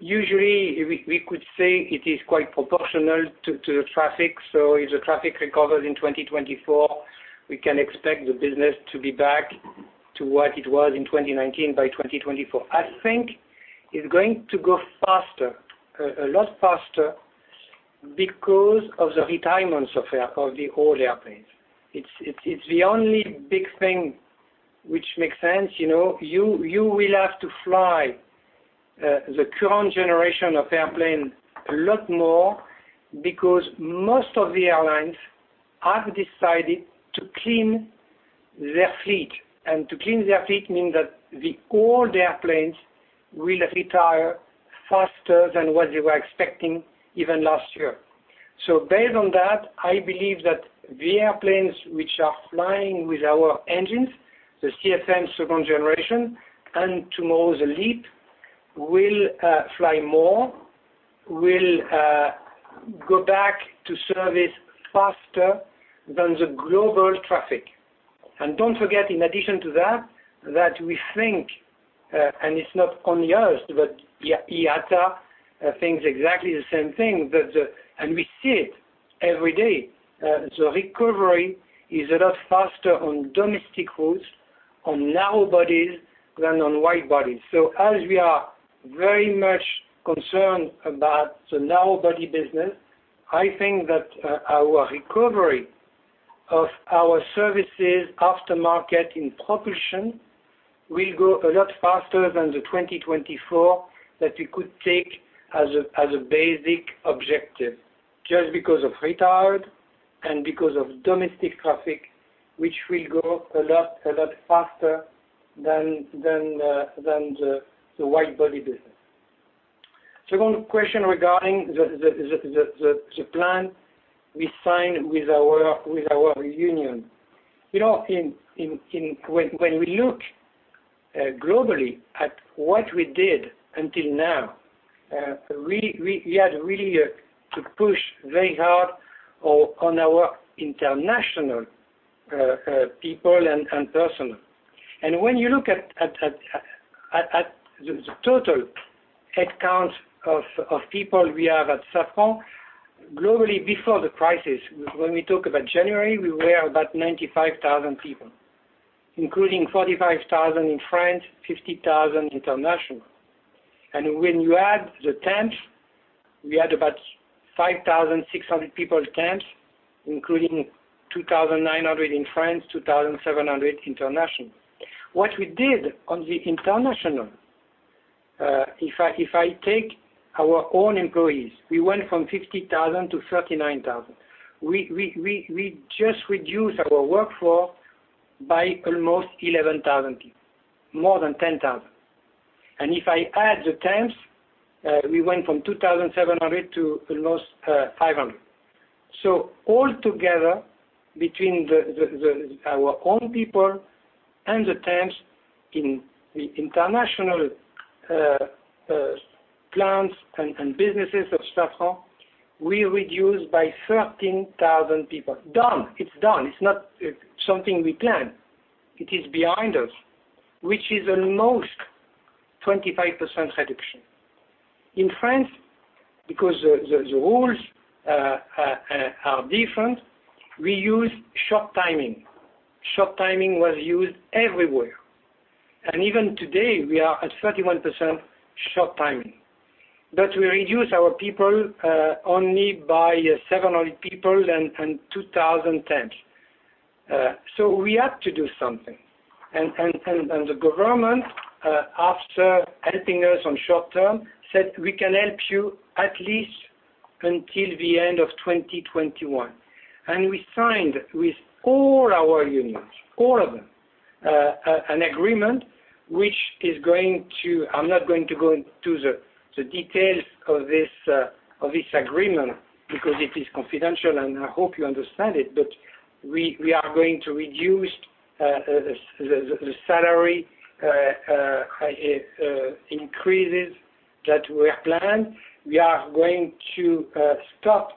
Usually, we could say it is quite proportional to the traffic. If the traffic recovers in 2024, we can expect the business to be back to what it was in 2019 by 2024. I think it's going to go faster, a lot faster because of the retirements of the old airplanes. It's the only big thing which makes sense. You will have to fly the current generation of airplanes a lot more because most of the airlines have decided to clean their fleet, and to clean their fleet means that the old airplanes will retire faster than what they were expecting even last year. Based on that, I believe that the airplanes which are flying with our engines, the CFM second generation, and tomorrow the LEAP, will fly more, will go back to service faster than the global traffic. Don't forget, in addition to that we think, and it's not only us, but IATA thinks exactly the same thing, and we see it every day. The recovery is a lot faster on domestic routes on narrow bodies than on wide bodies. As we are very much concerned about the narrow body business, I think that our recovery of our services aftermarket in propulsion will go a lot faster than the 2024 that we could take as a basic objective, just because of retired and because of domestic traffic, which will grow a lot faster than the wide body business. Second question regarding the plan we signed with our union. When we look globally at what we did until now, we had really to push very hard on our international people and personnel. When you look at the total head count of people we have at Safran, globally, before the crisis, when we talk about January, we were about 95,000 people, including 45,000 in France, 50,000 international. When you add the temps, we had about 5,600 people temps, including 2,900 in France, 2,700 international. What we did on the international, if I take our own employees, we went from 50,000 to 39,000. We just reduced our workforce by almost 11,000 people, more than 10,000. If I add the temps, we went from 2,700 to almost 500. All together, between our own people and the temps in the international plans and businesses of Safran, we reduced by 13,000 people. Done. It's done. It's not something we plan. It is behind us, which is almost 25% reduction. In France, because the rules are different, we use short timing. Short timing was used everywhere. Even today, we are at 31% short timing. We reduce our people only by 700 people and 2,000 temps. We had to do something, and the government, after helping us on short term, said, "We can help you at least until the end of 2021." We signed with all our unions, all of them, an agreement. I'm not going to go into the details of this agreement because it is confidential, and I hope you understand it, but we are going to reduce the salary increases that were planned. We are going to stop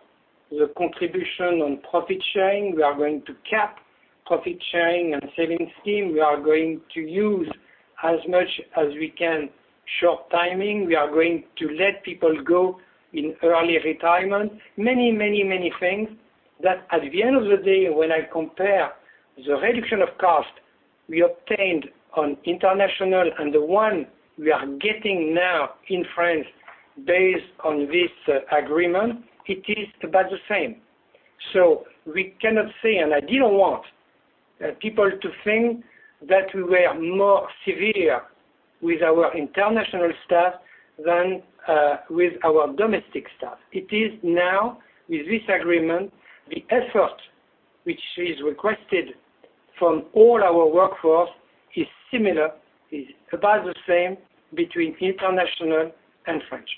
the contribution on profit sharing. We are going to cap profit sharing and savings scheme. We are going to use as much as we can short timing. We are going to let people go in early retirement. Many things that at the end of the day, when I compare the reduction of cost we obtained on international and the one we are getting now in France based on this agreement, it is about the same. We cannot say, and I didn't want people to think that we were more severe with our international staff than with our domestic staff. It is now, with this agreement, the effort which is requested from all our workforce is similar, is about the same between international and French.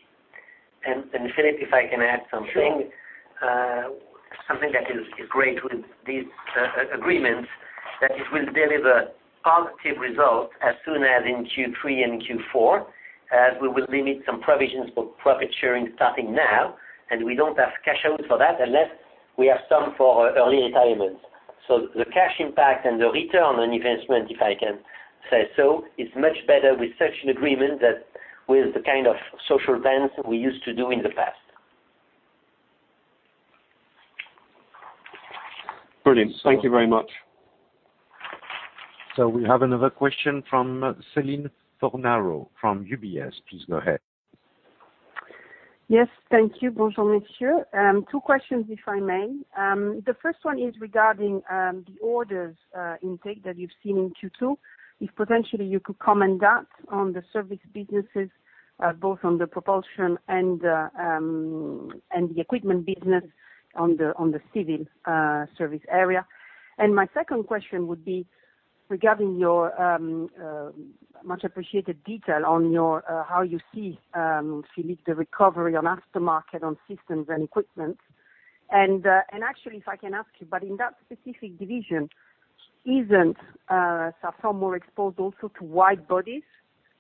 Philippe, if I can add something. Sure. Something that is great with these agreements, that it will deliver positive results as soon as in Q3 and Q4, as we will limit some provisions for profit sharing starting now. We don't have cash out for that, unless we have some for early retirement. The cash impact and the return on investment, if I can say so, is much better with such an agreement than with the kind of social dance we used to do in the past. Brilliant. Thank you very much. We have another question from Céline Fornaro from UBS. Please go ahead. Yes, thank you. Bonjour, monsieur. Two questions, if I may. The first one is regarding the orders intake that you've seen in Q2. If potentially you could comment that on the service businesses, both on the propulsion and the equipment business on the civil service area. My second question would be regarding your much-appreciated detail on how you see, Philippe, the recovery on aftermarket on systems and equipment. Actually, if I can ask you, but in that specific division, isn't Safran more exposed also to wide bodies?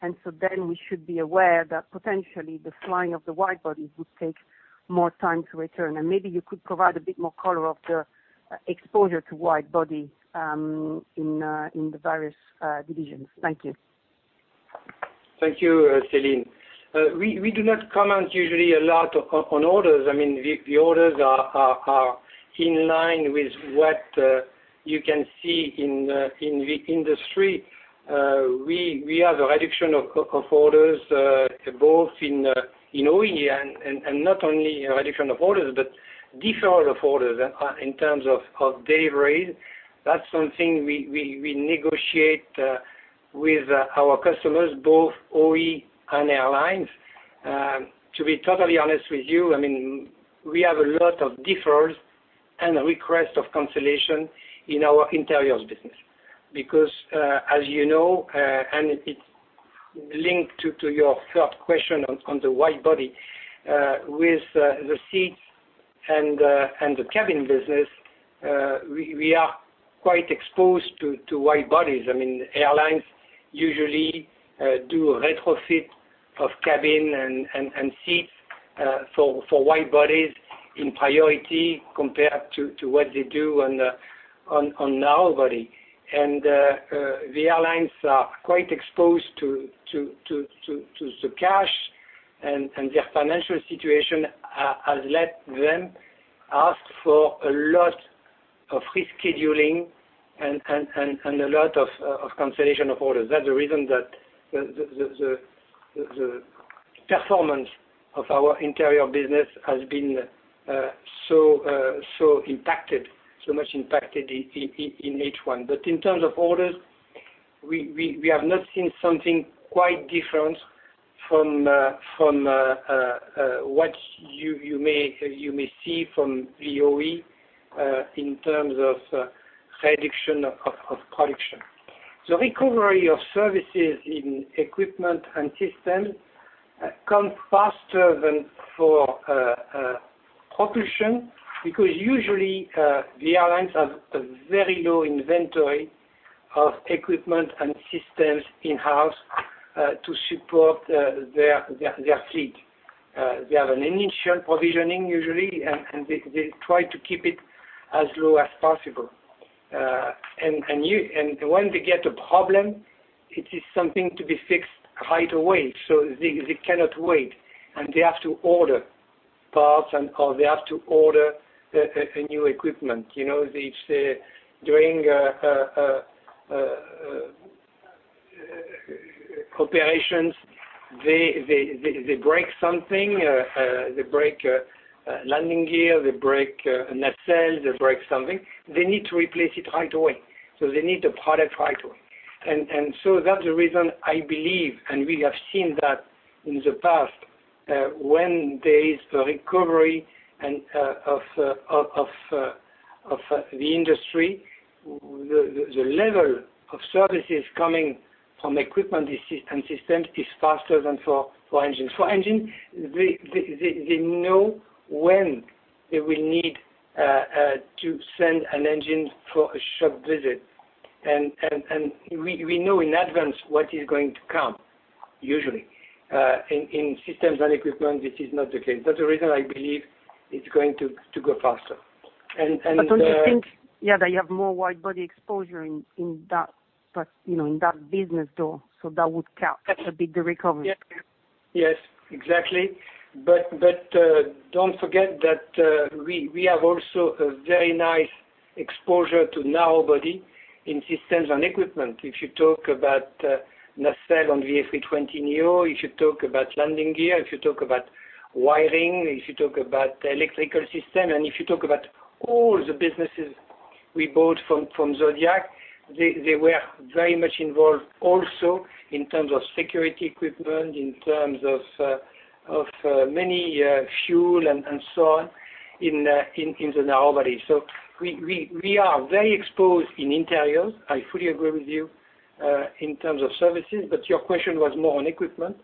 We should be aware that potentially the flying of the wide bodies would take more time to return. Maybe you could provide a bit more color of the exposure to wide body in the various divisions. Thank you. Thank you, Céline. We do not comment usually a lot on orders. I mean, the orders are in line with what you can see in the industry. We have a reduction of orders both in OE and not only a reduction of orders, but deferral of orders in terms of delivery. That's something we negotiate with our customers, both OE and airlines. To be totally honest with you, we have a lot of deferrals and requests of cancellation in our interiors business because, as you know, and it's linked to your third question on the wide body, with the seats and the cabin business, we are quite exposed to wide bodies. Airlines usually do a retrofit of cabin and seats for wide bodies in priority compared to what they do on narrow body. The airlines are quite exposed to the cash, and their financial situation has let them ask for a lot of rescheduling and a lot of cancellation of orders. That's the reason that the performance of our interior business has been so much impacted in H1. In terms of orders, we have not seen something quite different from what you may see from OEM in terms of reduction of production. The recovery of services in equipment and systems comes faster than for propulsion, because usually, the airlines have a very low inventory of equipment and systems in-house to support their fleet. They have an initial provisioning usually, and they try to keep it as low as possible. When they get a problem, it is something to be fixed right away. They cannot wait, and they have to order parts or they have to order a new equipment. During operations, they break something, they break landing gear, they break nacelles, they break something, they need to replace it right away. They need the product right away. That's the reason, I believe, and we have seen that in the past, when there is a recovery of the industry, the level of services coming from equipment and systems is faster than for engines. For engine, they know when they will need to send an engine for a shop visit. We know in advance what is going to come, usually. In systems and equipment, this is not the case. That's the reason I believe it's going to go faster. Don't you think they have more wide-body exposure in that business, though? That would help a bit the recovery. Yes, exactly. Don't forget that we have also a very nice exposure to narrow body in systems and equipment. If you talk about nacelle on A320neo, if you talk about landing gear, if you talk about wiring, if you talk about electrical system, and if you talk about all the businesses we bought from Zodiac, they were very much involved also in terms of security equipment, in terms of many fuel and so on in the narrow body. We are very exposed in Aircraft Interiors, I fully agree with you, in terms of services, but your question was more on equipment.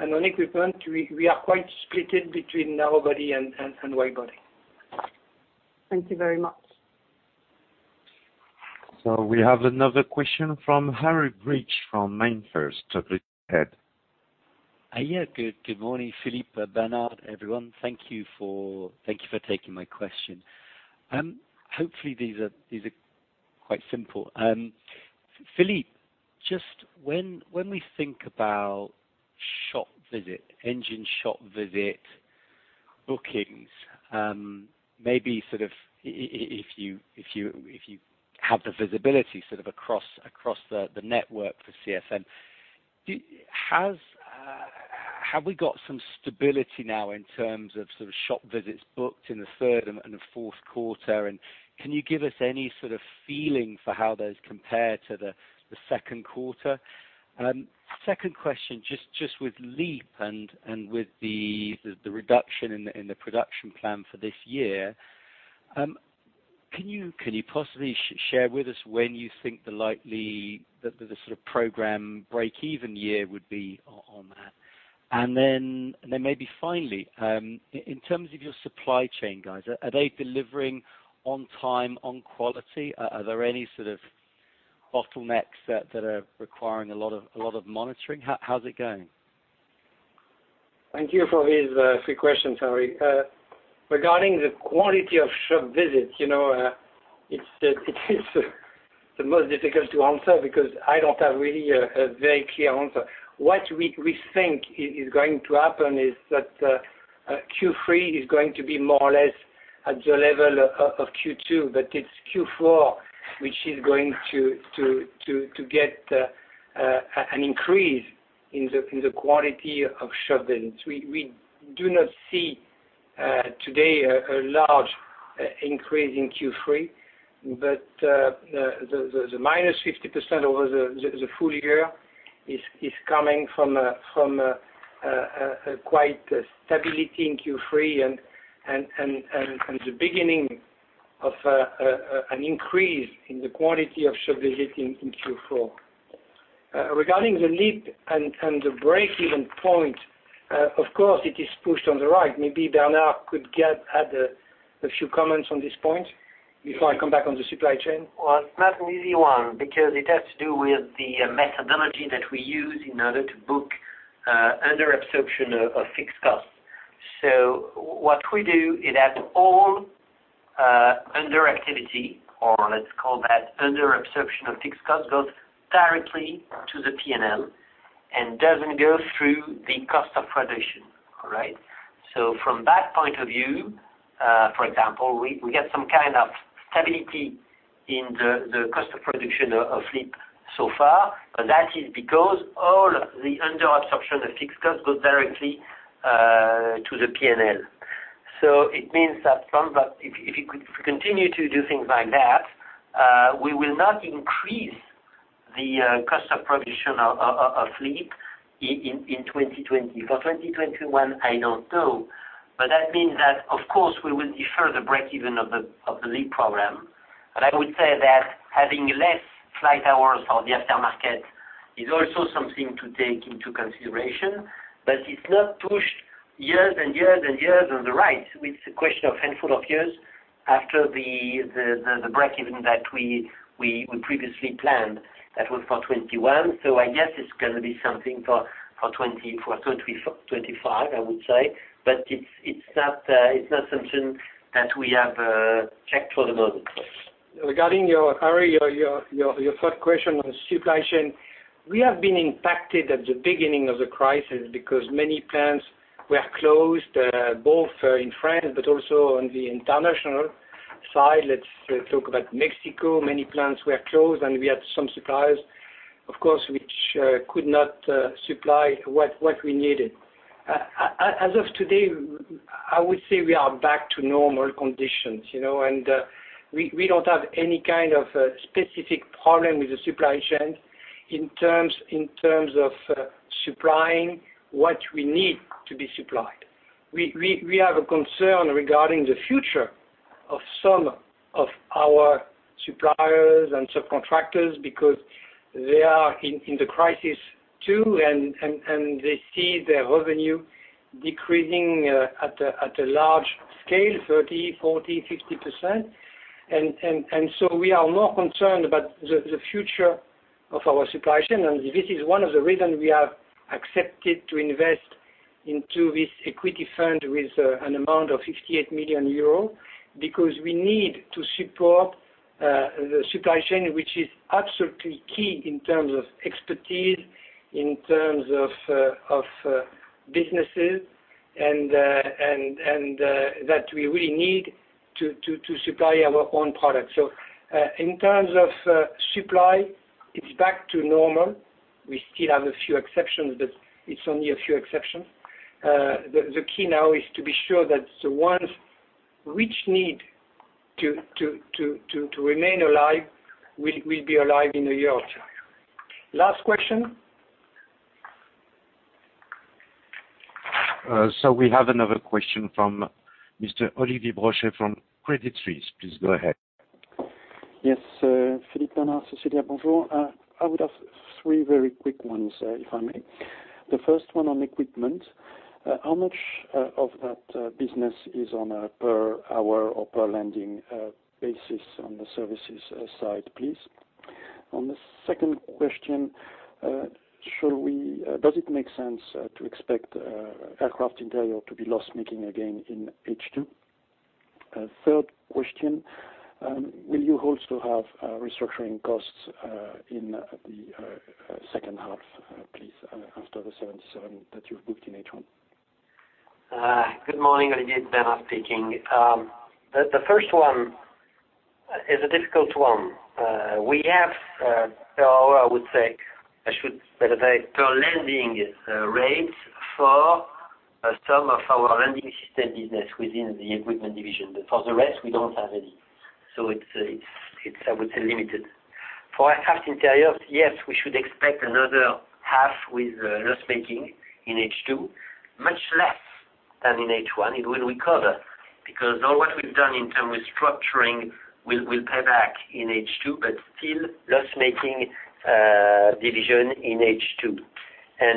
On equipment, we are quite split between narrow body and wide body. Thank you very much. We have another question from Harry Breach from MainFirst. Go ahead. Good morning, Philippe, Bernard, everyone. Thank you for taking my question. Hopefully these are quite simple. Philippe, just when we think about engine shop visit bookings, maybe if you have the visibility sort of across the network for CFM, have we got some stability now in terms of sort of shop visits booked in the third and the fourth quarter, and can you give us any sort of feeling for how those compare to the second quarter? Second question, just with LEAP and with the reduction in the production plan for this year, can you possibly share with us when you think the likely program break-even year would be on that? Maybe finally, in terms of your supply chain guys, are they delivering on time, on quality? Are there any sort of bottlenecks that are requiring a lot of monitoring? How's it going? Thank you for these three questions, Harry. Regarding the quality of shop visits, it's the most difficult to answer because I don't have really a very clear answer. What we think is going to happen is that Q3 is going to be more or less at the level of Q2, but it's Q4 which is going to get an increase in the quantity of shop visits. We do not see today a large increase in Q3. The -50% over the full year is coming from quite stability in Q3 and the beginning of an increase in the quantity of 7Bs in Q4. Regarding the LEAP and the breakeven point, of course it is pushed on the right. Maybe Bernard could add a few comments on this point before I come back on the supply chain. It's not an easy one because it has to do with the methodology that we use in order to book under absorption of fixed costs. What we do is that all under activity, or let's call that under absorption of fixed costs, goes directly to the P&L and doesn't go through the cost of production. All right? From that point of view, for example, we get some kind of stability in the cost of production of LEAP so far. That is because all the under absorption of fixed cost goes directly to the P&L. It means that if we continue to do things like that, we will not increase the cost of production of LEAP in 2020. For 2021, I don't know. That means that, of course, we will defer the breakeven of the LEAP program. I would say that having less flight hours on the aftermarket is also something to take into consideration. It's not pushed years and years and years on the right. It's a question of handful of years after the breakeven that we previously planned. That was for 2021. I guess it's going to be something for 2025, I would say. It's not something that we have checked for the moment. Regarding your third question on supply chain, we have been impacted at the beginning of the crisis because many plants were closed, both in France but also on the international side. Let's talk about Mexico. Many plants were closed, we had some suppliers, of course, which could not supply what we needed. As of today, I would say we are back to normal conditions. We don't have any kind of specific problem with the supply chain in terms of supplying what we need to be supplied. We have a concern regarding the future of some of our suppliers and subcontractors because they are in the crisis too, and they see their revenue decreasing at a large scale, 30%, 40%, 50%. We are more concerned about the future of our supply chain, and this is one of the reasons we have accepted to invest into this equity fund with an amount of 58 million euro, because we need to support the supply chain, which is absolutely key in terms of expertise, in terms of businesses, and that we really need to supply our own product. In terms of supply, it's back to normal. We still have a few exceptions, but it's only a few exceptions. The key now is to be sure that the ones which need to remain alive will be alive in a year or two. Last question. We have another question from Mr. Olivier Brochet from Credit Suisse. Please go ahead. Yes. Philippe, Bernard, Cecilia, Bonjour. I would have three very quick ones, if I may. The first one on equipment. How much of that business is on a per hour or per landing basis on the services side, please? On the second question, does it make sense to expect Aircraft Interiors to be loss-making again in H2? Third question, will you also have restructuring costs in the second half, please, after the 77 that you've booked in H1? Good morning, Olivier. Bernard speaking. The first one is a difficult one. We have per hour, per landing rate for some of our landing system business within the equipment division. For the rest, we don't have any. It's limited. For Aircraft Interiors, yes, we should expect another half with loss-making in H2, much less than in H1. It will recover because all what we've done in terms of structuring will pay back in H2, but still loss-making division in H2.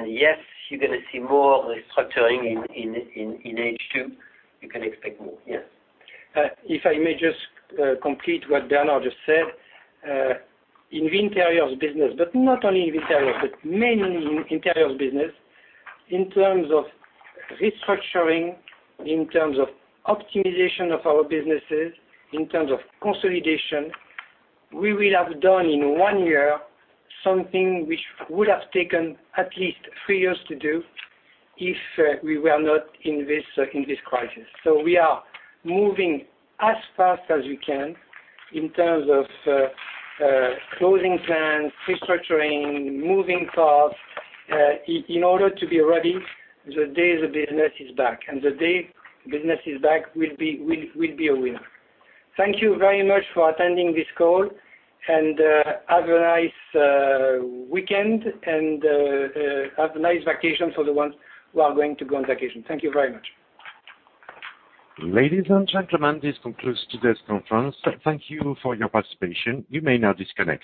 Yes, you're going to see more restructuring in H2. You can expect more, yes. If I may just complete what Bernard just said. In the interiors business, but not only in the interiors, but mainly in interiors business, in terms of restructuring, in terms of optimization of our businesses, in terms of consolidation, we will have done in one year something which would have taken at least three years to do if we were not in this crisis. We are moving as fast as we can in terms of closing plans, restructuring, moving costs, in order to be ready the day the business is back. The day business is back, we'll be a winner. Thank you very much for attending this call, and have a nice weekend and have a nice vacation for the ones who are going to go on vacation. Thank you very much. Ladies and gentlemen, this concludes today's conference. Thank you for your participation. You may now disconnect.